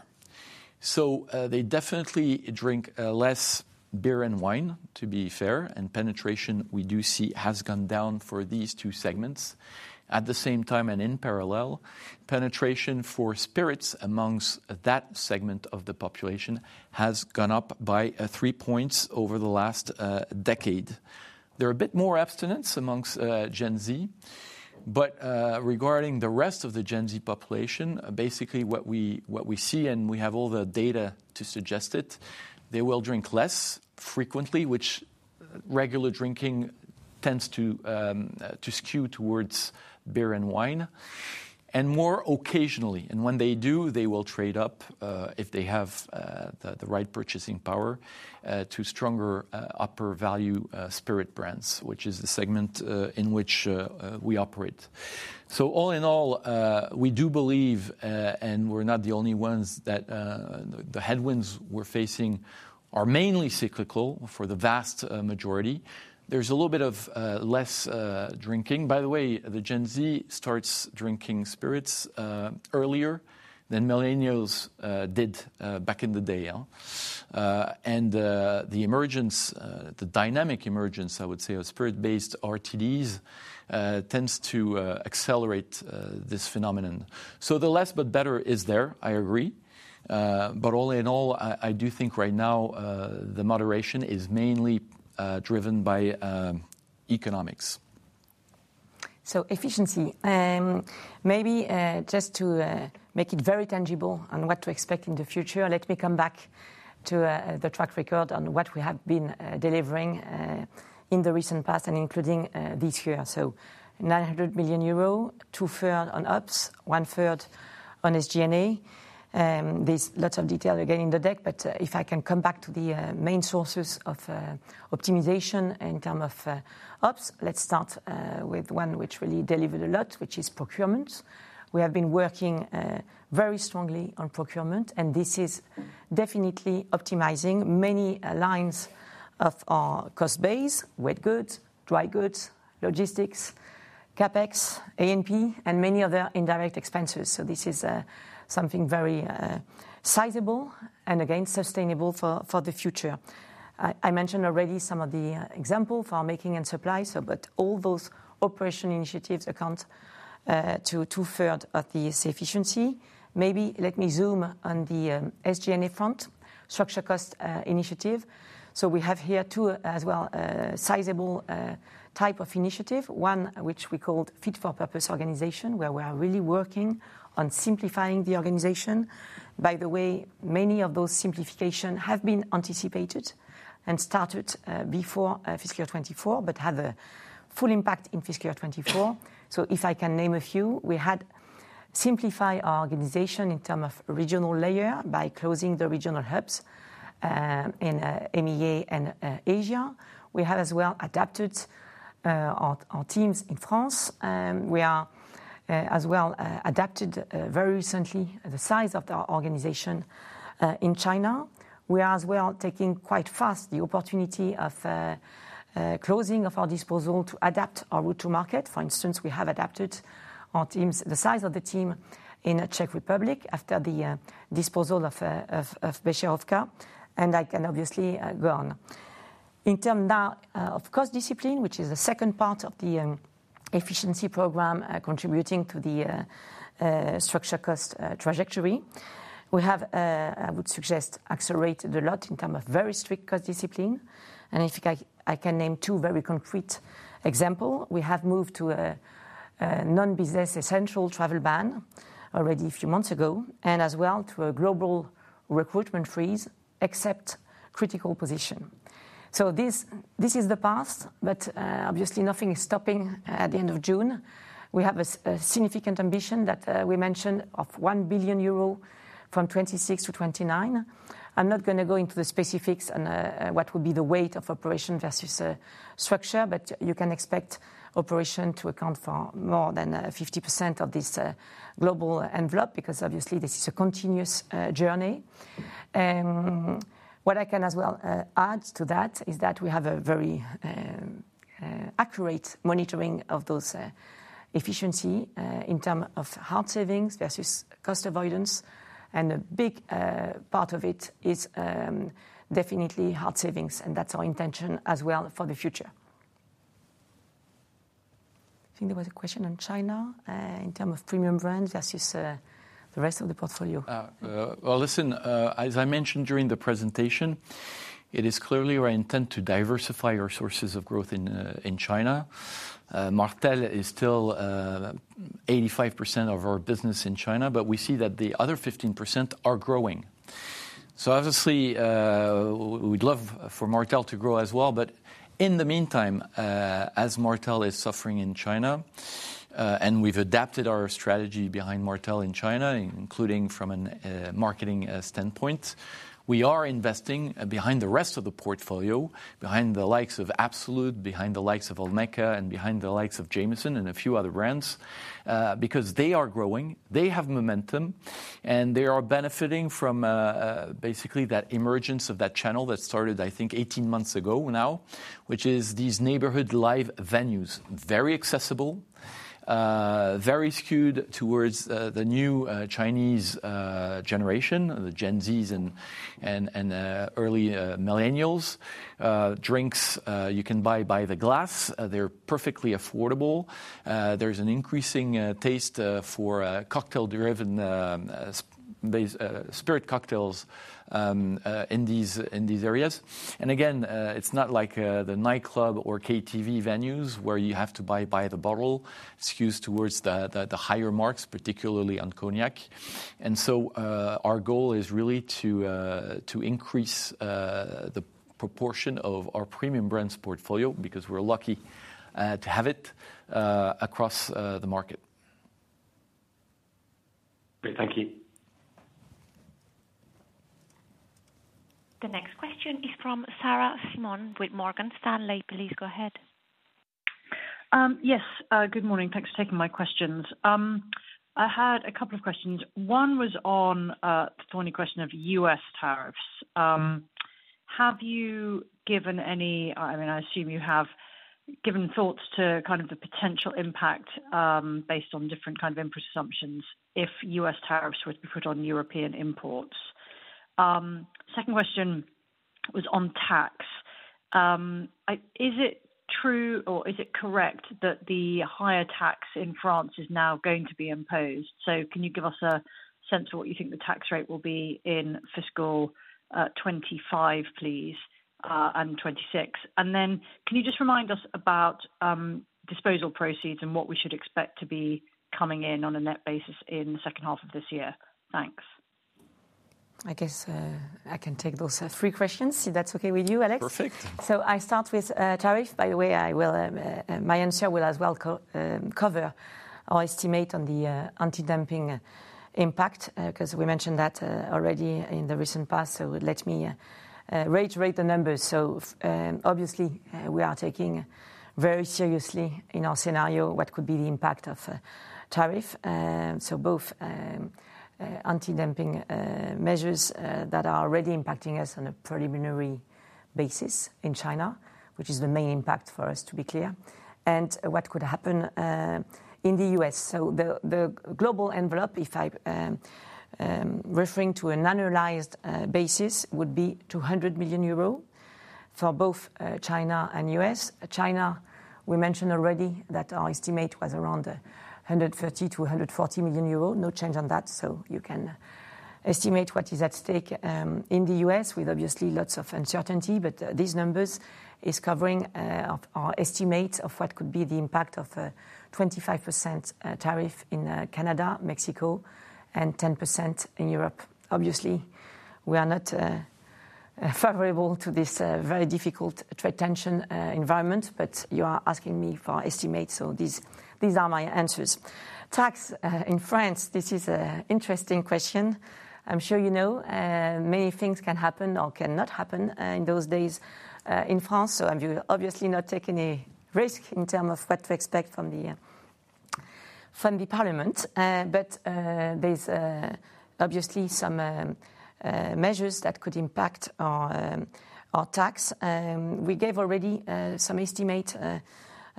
so they definitely drink less beer and wine, to be fair, and penetration we do see has gone down for these two segments. At the same time and in parallel, penetration for spirits amongst that segment of the population has gone up by three points over the last decade. There are a bit more abstinence among Gen Z, but regarding the rest of the Gen Z population, basically what we see, and we have all the data to suggest it, they will drink less frequently, which regular drinking tends to skew towards beer and wine, and more occasionally, and when they do, they will trade up if they have the right purchasing power to stronger upper-value spirit brands, which is the segment in which we operate, so all in all, we do believe, and we're not the only ones that the headwinds we're facing are mainly cyclical for the vast majority. There's a little bit of less drinking. By the way, the Gen Z starts drinking spirits earlier than Millennials did back in the day, and the emergence, the dynamic emergence, I would say, of spirit-based RTDs tends to accelerate this phenomenon. The less but better is there, I agree. All in all, I do think right now the moderation is mainly driven by economics. Efficiency. Maybe just to make it very tangible on what to expect in the future, let me come back to the track record on what we have been delivering in the recent past and including this year. 900 million euro, 2/3 on ops, 1/3 on SG&A. There's lots of detail again in the deck, but if I can come back to the main sources of optimization in terms of ops, let's start with one which really delivered a lot, which is procurement. We have been working very strongly on procurement, and this is definitely optimizing many lines of our cost base: wet goods, dry goods, logistics, CapEx, A&P, and many other indirect expenses. This is something very sizable and again sustainable for the future. I mentioned already some of the examples for making and supply, but all those operational initiatives account to two-thirds of this efficiency. Maybe let me zoom on the SG&A front, structure cost initiative. We have here too as well a sizable type of initiative, one which we called Fit for Purpose Organization, where we are really working on simplifying the organization. By the way, many of those simplifications have been anticipated and started before fiscal year 2024, but have a full impact in fiscal year 2024. If I can name a few, we had simplified our organization in terms of regional layer by closing the regional hubs in EMEA and Asia. We have as well adapted our teams in France. We have as well adapted very recently the size of our organization in China. We are as well taking quite fast the opportunity of closing of our disposal to adapt our route to market. For instance, we have adapted the size of the team in the Czech Republic after the disposal of Becherovka. And I can obviously go on. In terms now of cost discipline, which is the second part of the efficiency program contributing to the structure cost trajectory, we have, I would suggest, accelerated a lot in terms of very strict cost discipline. And if I can name two very concrete examples, we have moved to a non-business essential travel ban already a few months ago, and as well to a global recruitment freeze except critical position. So, this is the past, but obviously nothing is stopping at the end of June. We have a significant ambition that we mentioned of 1 billion euro from 2026 to 2029. I'm not going to go into the specifics on what would be the weight of operation versus structure, but you can expect operation to account for more than 50% of this global envelope because obviously this is a continuous journey. What I can as well add to that is that we have a very accurate monitoring of those efficiencies in terms of hard savings versus cost avoidance, and a big part of it is definitely hard savings, and that's our intention as well for the future. I think there was a question on China in terms of premium brands versus the rest of the portfolio. Well, listen, as I mentioned during the presentation, it is clearly our intent to diversify our sources of growth in China. Martell is still 85% of our business in China, but we see that the other 15% are growing. So, obviously, we'd love for Martell to grow as well, but in the meantime, as Martell is suffering in China, and we've adapted our strategy behind Martell in China, including from a marketing standpoint, we are investing behind the rest of the portfolio, behind the likes of Absolut, behind the likes of Olmeca, and behind the likes of Jameson and a few other brands because they are growing, they have momentum, and they are benefiting from basically that emergence of that channel that started, I think, 18 months ago now, which is these neighborhood live venues, very accessible, very skewed towards the new Chinese generation, the Gen Z and early Millennials. Drinks you can buy by the glass. They're perfectly affordable. There's an increasing taste for cocktail-driven spirit cocktails in these areas. Again, it's not like the nightclub or KTV venues where you have to buy by the bottle, skewed towards the higher marks, particularly on cognac. And so, our goal is really to increase the proportion of our premium brands portfolio because we're lucky to have it across the market. Great. Thank you. The next question is from Sarah Simon with Morgan Stanley. Please go ahead. Yes. Good morning. Thanks for taking my questions. I had a couple of questions. One was on the thorny question of U.S. tariffs. Have you given any, I mean, I assume you have given thoughts to kind of the potential impact based on different kind of input assumptions if U.S. tariffs were to be put European imports? Second question was on tax. Is it true or is it correct that the higher tax in France is now going to be imposed? So, can you give us a sense of what you think the tax rate will be in fiscal 2025, please, and 2026? And then can you just remind us about disposal proceeds and what we should expect to be coming in on a net basis in the second half of this year? Thanks. I guess I can take those three questions if that's okay with you, Alex. Perfect. So, I start with tariff. By the way, my answer will as well cover our estimate on the anti-dumping impact because we mentioned that already in the recent past. So, let me reiterate the numbers. So, obviously, we are taking very seriously in our scenario what could be the impact of tariff. So, both anti-dumping measures that are already impacting us on a preliminary basis in China, which is the main impact for us, to be clear, and what could happen in the U.S. So, the global envelope, if I'm referring to a non-realized basis, would be 200 million euro for both China and U.S. China, we mentioned already that our estimate was around 130 million-140 million euros. No change on that. So, you can estimate what is at stake in the U.S. with obviously lots of uncertainty, but these numbers are covering our estimate of what could be the impact of a 25% tariff in Canada, Mexico, and 10% Europe. obviously, we are not favorable to this very difficult trade tension environment, but you are asking me for estimates. So, these are my answers. Tax in France, this is an interesting question. I'm sure you know many things can happen or cannot happen in those days in France. So, I'm obviously not taking any risk in terms of what to expect from the Parliament, but there's obviously some measures that could impact our tax. We gave already some estimate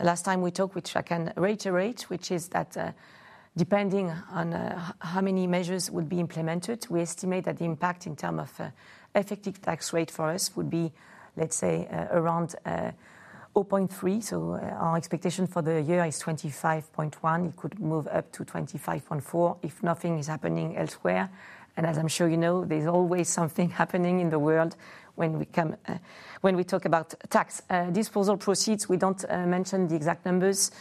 last time we talked, which I can reiterate, which is that depending on how many measures would be implemented, we estimate that the impact in terms of effective tax rate for us would be, let's say, around 0.3%. So, our expectation for the year is 25.1%. It could move up to 25.4% if nothing is happening elsewhere. And as I'm sure you know, there's always something happening in the world when we talk about tax disposal proceeds. We don't mention the exact numbers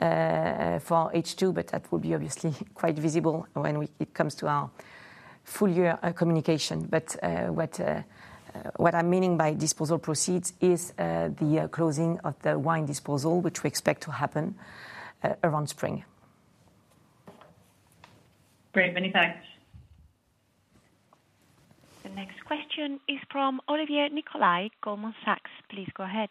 for each two, but that will be obviously quite visible when it comes to our full year communication. But what I'm meaning by disposal proceeds is the closing of the wine disposal, which we expect to happen around spring. Great. Many thanks. The next question is from Olivier Nicolai, Goldman Sachs. Please go ahead.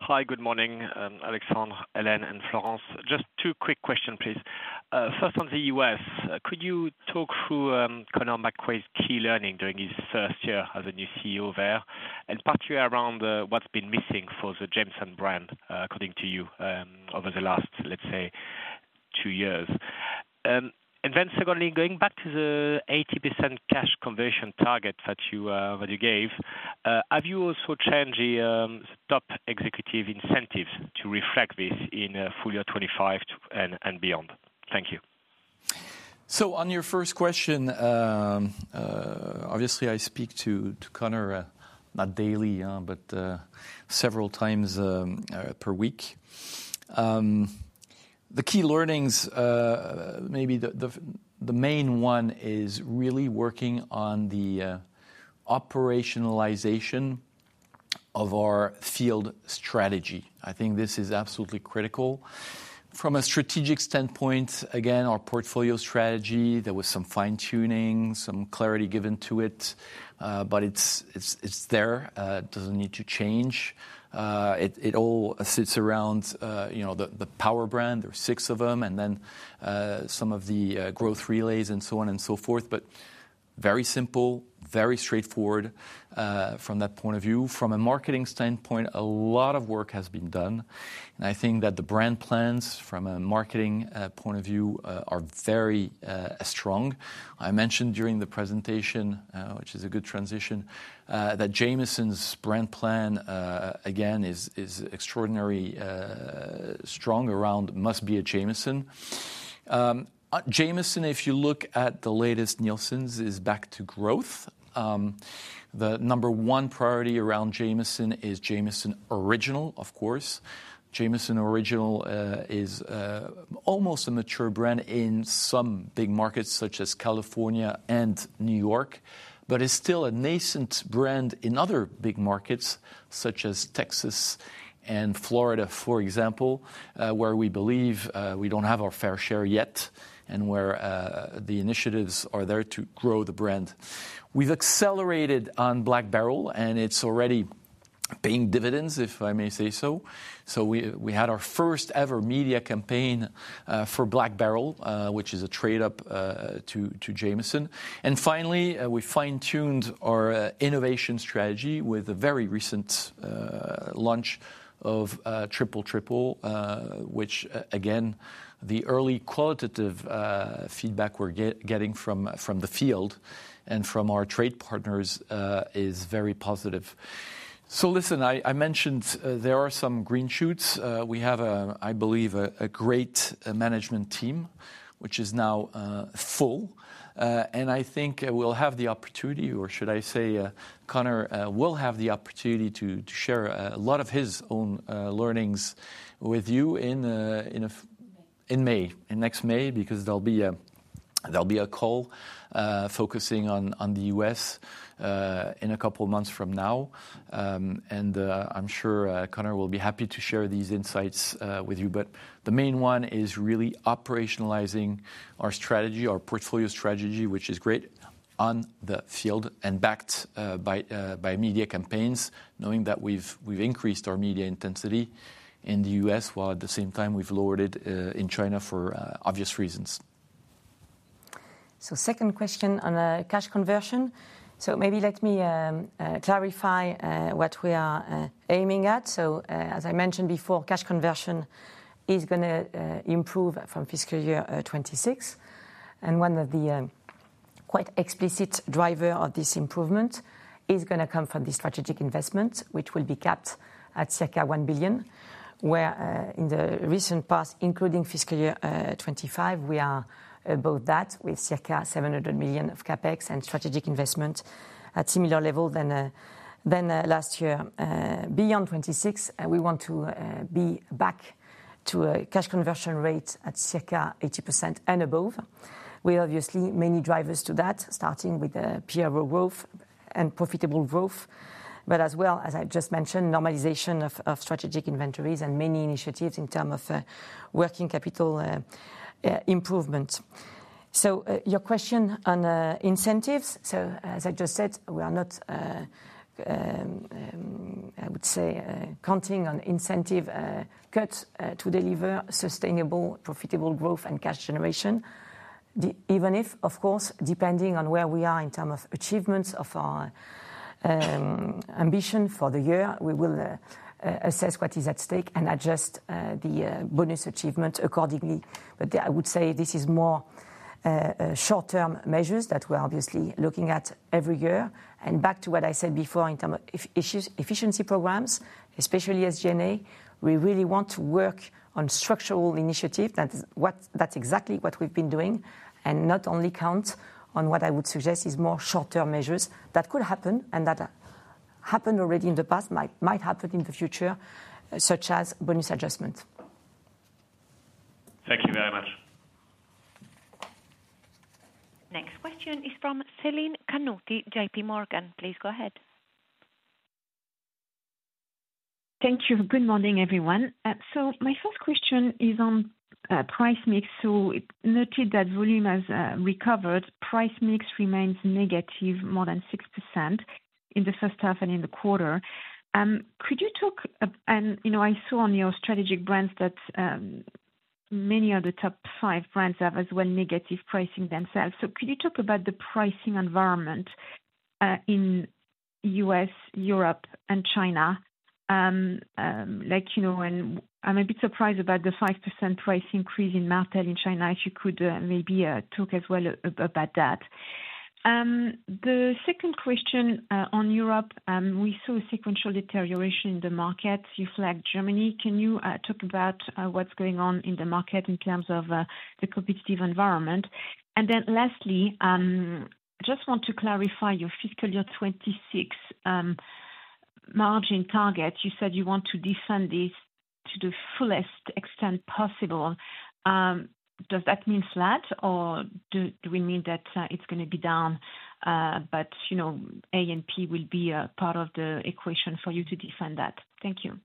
Hi, good morning, Alexandre, Hélène, and Florence. Just two quick questions, please. First, on the U.S., could you talk through Conor McQuaid's key learning during his first year as a new CEO there, and particularly around what's been missing for the Jameson brand according to you over the last, let's say, two years? And then secondly, going back to the 80% cash conversion target that you gave, have you also changed the top executive incentives to reflect this in full year 2025 and beyond? Thank you. So, on your first question, obviously, I speak to Conor not daily, but several times per week. The key learnings, maybe the main one is really working on the operationalization of our field strategy. I think this is absolutely critical. From a strategic standpoint, again, our portfolio strategy, there was some fine-tuning, some clarity given to it, but it's there. It doesn't need to change. It all sits around the Power Brands. There are six of them, and then some of the growth relays and so on and so forth, but very simple, very straightforward from that point of view. From a marketing standpoint, a lot of work has been done, and I think that the brand plans from a marketing point of view are very strong. I mentioned during the presentation, which is a good transition, that Jameson's brand plan, again, is extraordinarily strong around, must be at Jameson. Jameson, if you look at the latest Nielsen's, is back to growth. The number one priority around Jameson is Jameson Original, of course. Jameson Original is almost a mature brand in some big markets such as California and New York, but is still a nascent brand in other big markets such as Texas and Florida, for example, where we believe we don't have our fair share yet and where the initiatives are there to grow the brand. We've accelerated on Black Barrel, and it's already paying dividends, if I may say so. So, we had our first ever media campaign for Black Barrel, which is a trade-up to Jameson. And finally, we fine-tuned our innovation strategy with a very recent launch of Triple Triple, which, again, the early qualitative feedback we're getting from the field and from our trade partners is very positive. So, listen, I mentioned there are some green shoots. We have, I believe, a great management team, which is now full. I think we'll have the opportunity, or should I say Conor will have the opportunity to share a lot of his own learnings with you in May. In May, in next May, because there'll be a call focusing on the U.S. in a couple of months from now. I'm sure Conor will be happy to share these insights with you. The main one is really operationalizing our strategy, our portfolio strategy, which is great on the field and backed by media campaigns, knowing that we've increased our media intensity in the U.S. while at the same time we've lowered it in China for obvious reasons. Second question on cash conversion. Maybe let me clarify what we are aiming at. So, as I mentioned before, cash conversion is going to improve from fiscal year 2026. And one of the quite explicit drivers of this improvement is going to come from the strategic investments, which will be capped at circa 1 billion, where in the recent past, including fiscal year 2025, we are above that with circa 700 million of CapEx and strategic investment at a similar level than last year. Beyond 2026, we want to be back to a cash conversion rate at circa 80% and above. We obviously have many drivers to that, starting with peer growth and profitable growth, but as well, as I just mentioned, normalization of strategic inventories and many initiatives in terms of working capital improvement. So, your question on incentives. So, as I just said, we are not, I would say, counting on incentive cuts to deliver sustainable, profitable growth and cash generation, even if, of course, depending on where we are in terms of achievements of our ambition for the year, we will assess what is at stake and adjust the bonus achievement accordingly. But I would say this is more short-term measures that we're obviously looking at every year. And back to what I said before in terms of efficiency programs, especially SG&A, we really want to work on structural initiatives. That's exactly what we've been doing. And not only count on what I would suggest is more short-term measures that could happen and that happened already in the past, might happen in the future, such as bonus adjustment. Thank you very much. Next question is from Céline Pannuti, JPMorgan. Please go ahead. Thank you. Good morning, everyone. So, my first question is on price mix. So, noted that volume has recovered, price mix remains negative more than 6% in the first half and in the quarter. Could you talk, and I saw on your strategic brands that many of the top five brands have as well negative pricing themselves. So, could you talk about the pricing environment in Europe, and China? Like, I'm a bit surprised about the 5% price increase in Martell in China, if you could maybe talk as well about that. The second question Europe, we saw a sequential deterioration in the markets. You flagged Germany. Can you talk about what's going on in the market in terms of the competitive environment? And then lastly, I just want to clarify your fiscal year 2026 margin target. You said you want to defend this to the fullest extent possible. Does that mean flat, or do we mean that it's going to be down, but A&P will be part of the equation for you to defend that? Thank you.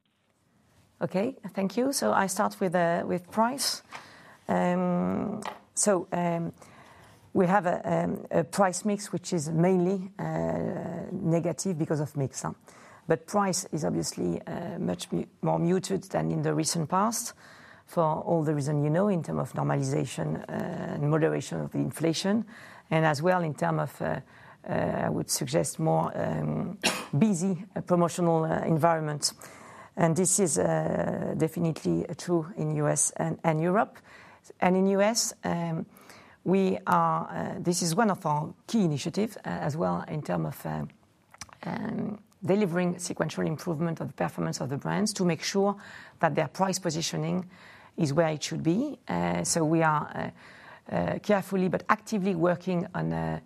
Okay. Thank you. So, I start with price. So, we have a price mix, which is mainly negative because of mix. But price is obviously much more muted than in the recent past for all the reasons you know in terms of normalization and moderation of the inflation, and as well in terms of, I would suggest, more busy promotional environments. And this is definitely true in the U.S. and Europe, and in the US, this is one of our key initiatives as well in terms of delivering sequential improvement of the performance of the brands to make sure that their price positioning is where it should be. So, we are carefully but actively working on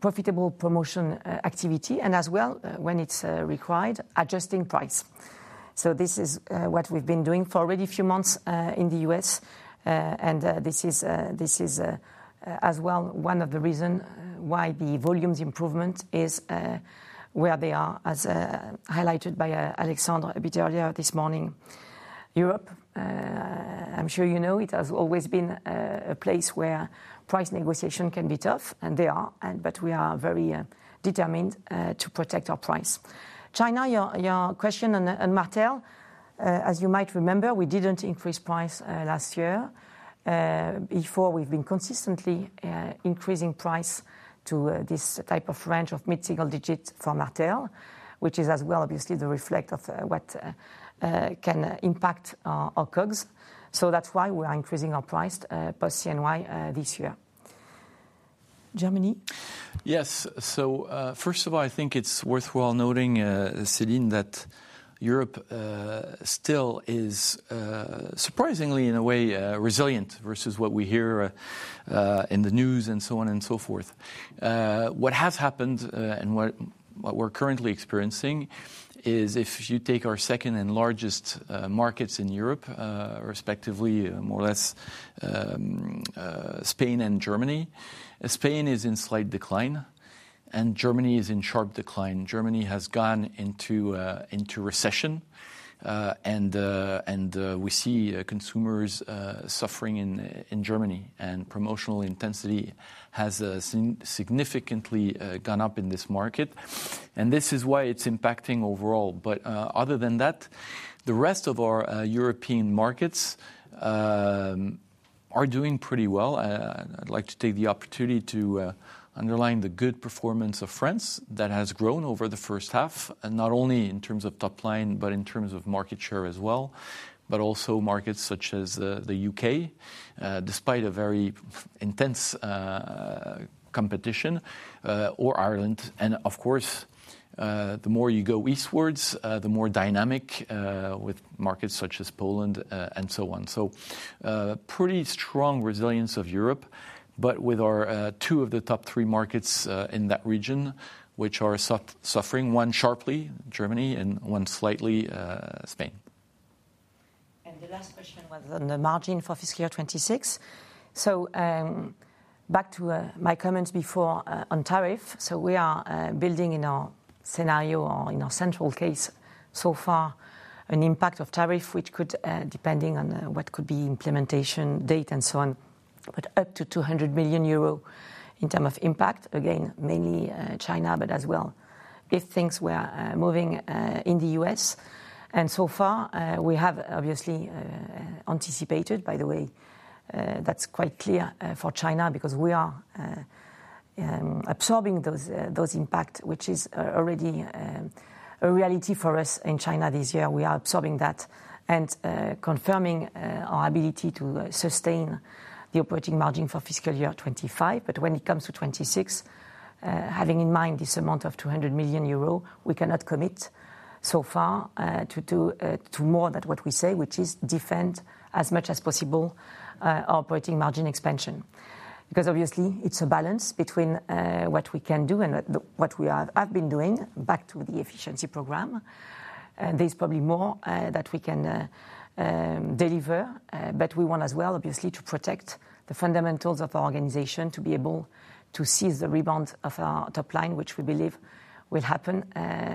profitable promotion activity and as well, when it's required, adjusting price. So, this is what we've been doing for already a few months in the U.S. And this is as well one of the reasons why the volumes improvement is where they are, as highlighted by Alexandre a bit earlier this morning. Europe, I'm sure you know it has always been a place where price negotiation can be tough, and they are, but we are very determined to protect our price. China, your question on Martell, as you might remember, we didn't increase price last year. Before, we've been consistently increasing price to this type of range of mid-single digit for Martell, which is as well obviously the reflection of what can impact our COGS. So, that's why we are increasing our price post-CNY this year. Germany? Yes. So, first of all, I think it's worthwhile noting, Céline, Europe still is surprisingly, in a way, resilient versus what we hear in the news and so on and so forth. What has happened and what we're currently experiencing is if you take our second and largest markets Europe, respectively, more or less Spain and Germany, Spain is in slight decline and Germany is in sharp decline. Germany has gone into recession and we see consumers suffering in Germany and promotional intensity has significantly gone up in this market. And this is why it's impacting overall. But other than that, the rest of European markets are doing pretty well. I'd like to take the opportunity to underline the good performance of France that has grown over the first half, not only in terms of top line, but in terms of market share as well, but also markets such as the U.K., despite a very intense competition, or Ireland. And of course, the more you go eastwards, the more dynamic with markets such as Poland and so on. So, pretty strong resilience Europe, but with our two of the top three markets in that region, which are suffering, one sharply, Germany, and one slightly, Spain. And the last question was on the margin for fiscal year 2026. So, back to my comments before on tariff. We are building in our scenario or in our central case so far an impact of tariff, which could, depending on what could be implementation date and so on, but up to 200 million euro in terms of impact, again, mainly China, but as well if things were moving in the U.S. So far, we have obviously anticipated, by the way, that's quite clear for China because we are absorbing those impacts, which is already a reality for us in China this year. We are absorbing that and confirming our ability to sustain the operating margin for fiscal year 2025. But when it comes to 2026, having in mind this amount of 200 million euro, we cannot commit so far to do more than what we say, which is defend as much as possible our operating margin expansion. Because obviously, it's a balance between what we can do and what we have been doing back to the efficiency program. There's probably more that we can deliver, but we want as well, obviously, to protect the fundamentals of our organization to be able to seize the rebound of our top line, which we believe will happen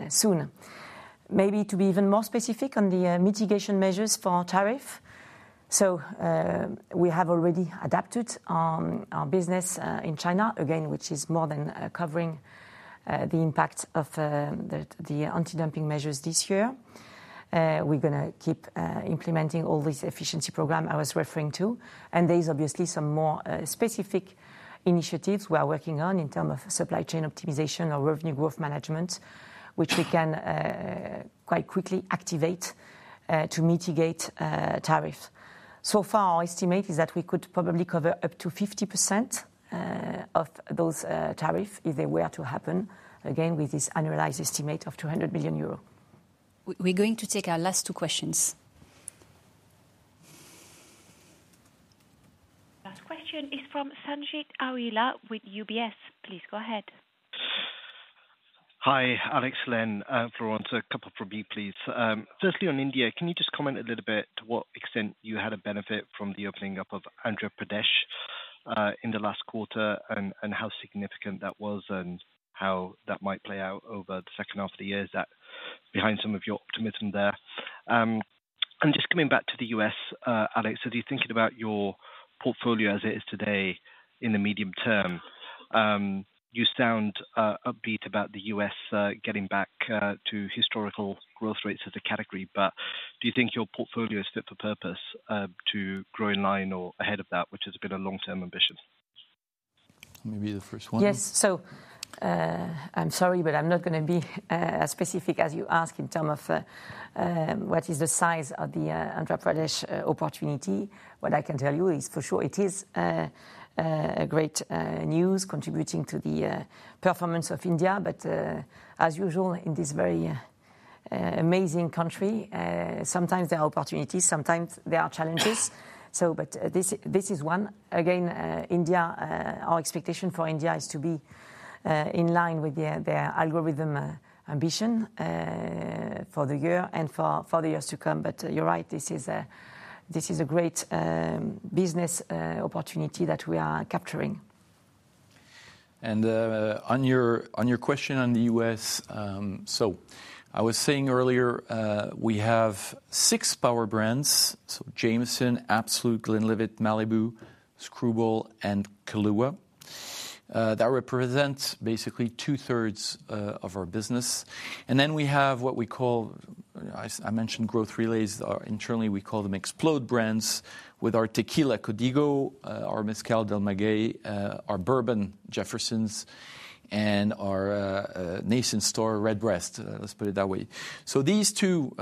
soon. Maybe to be even more specific on the mitigation measures for tariff. So, we have already adapted our business in China, again, which is more than covering the impact of the anti-dumping measures this year. We're going to keep implementing all these efficiency programs I was referring to. And there's obviously some more specific initiatives we are working on in terms of supply chain optimization or revenue growth management, which we can quite quickly activate to mitigate tariffs. So far, our estimate is that we could probably cover up to 50% of those tariffs if they were to happen, again, with this annualized estimate of 200 million euros. We're going to take our last two questions. Last question is from Sanjeet Aujla with UBS. Please go ahead. Hi, Alex, Hélène, and Florence, a couple from me, please. Firstly, on India, can you just comment a little bit to what extent you had a benefit from the opening up of Andhra Pradesh in the last quarter and how significant that was and how that might play out over the second half of the year? Is that behind some of your optimism there? Just coming back to the U.S., Alex, as you're thinking about your portfolio as it is today in the medium term, you sound upbeat about the U.S. getting back to historical growth rates as a category, but do you think your portfolio is fit for purpose to grow in line or ahead of that, which has been a long-term ambition? Maybe the first one. Yes. I'm sorry, but I'm not going to be as specific as you ask in terms of what is the size of the Andhra Pradesh opportunity. What I can tell you is for sure it is great news contributing to the performance of India. But as usual in this very amazing country, sometimes there are opportunities, sometimes there are challenges. But this is one. Again, India, our expectation for India is to be in line with our long-term ambition for the year and for the years to come. But you're right, this is a great business opportunity that we are capturing. And on your question on the U.S., so I was saying earlier we have six Power Brands, so Jameson, Absolut, Glenlivet, Malibu, Skrewball, and Kahlúa that represent basically two-thirds of our business. And then we have what we call, I mentioned growth relays, internally we call them Explode Brands with our Tequila Código, our Mezcal Del Maguey, our Bourbon Jefferson's, and our nascent star Redbreast. Let's put it that way. So these two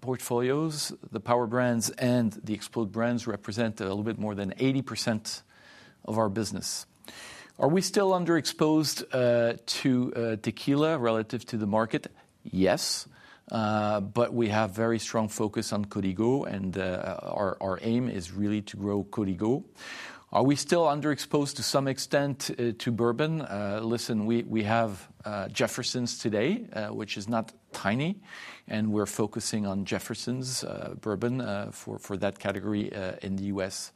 portfolios, the power brands and the Explode Brands, represent a little bit more than 80% of our business. Are we still underexposed to tequila relative to the market? Yes, but we have very strong focus on Código and our aim is really to grow Código. Are we still underexposed to some extent to bourbon? Listen, we have Jefferson's today, which is not tiny, and we're focusing on Jefferson's bourbon for that category in the U.S.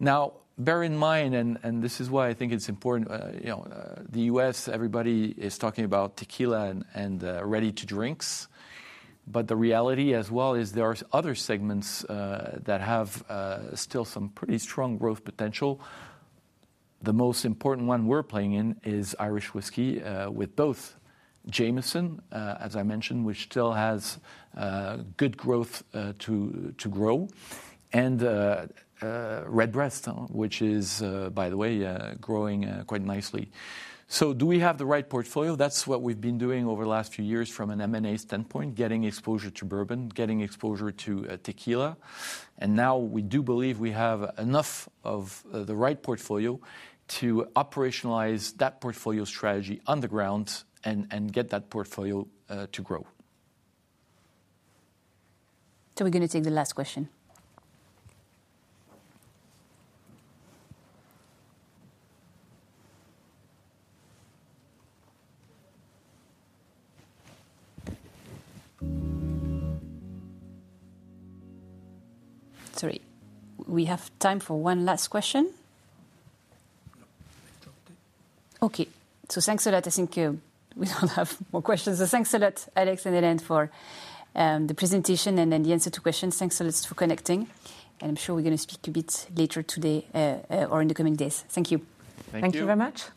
Now, bear in mind, and this is why I think it's important, the U.S., everybody is talking about tequila and ready-to-drinks, but the reality as well is there are other segments that have still some pretty strong growth potential. The most important one we're playing in is Irish whiskey with both Jameson, as I mentioned, which still has good growth to grow, and Redbreast, which is, by the way, growing quite nicely. So, do we have the right portfolio? That's what we've been doing over the last few years from an M&A standpoint, getting exposure to bourbon, getting exposure to tequila. Now we do believe we have enough of the right portfolio to operationalize that portfolio strategy on the ground and get that portfolio to grow. So, we're going to take the last question. Sorry, we have time for one last question. Okay. So, thanks a lot. I think we don't have more questions. So, thanks a lot, Alex and Hélène, for the presentation and the answer to questions. Thanks a lot for connecting. And I'm sure we're going to speak a bit later today or in the coming days. Thank you. Thank you very much.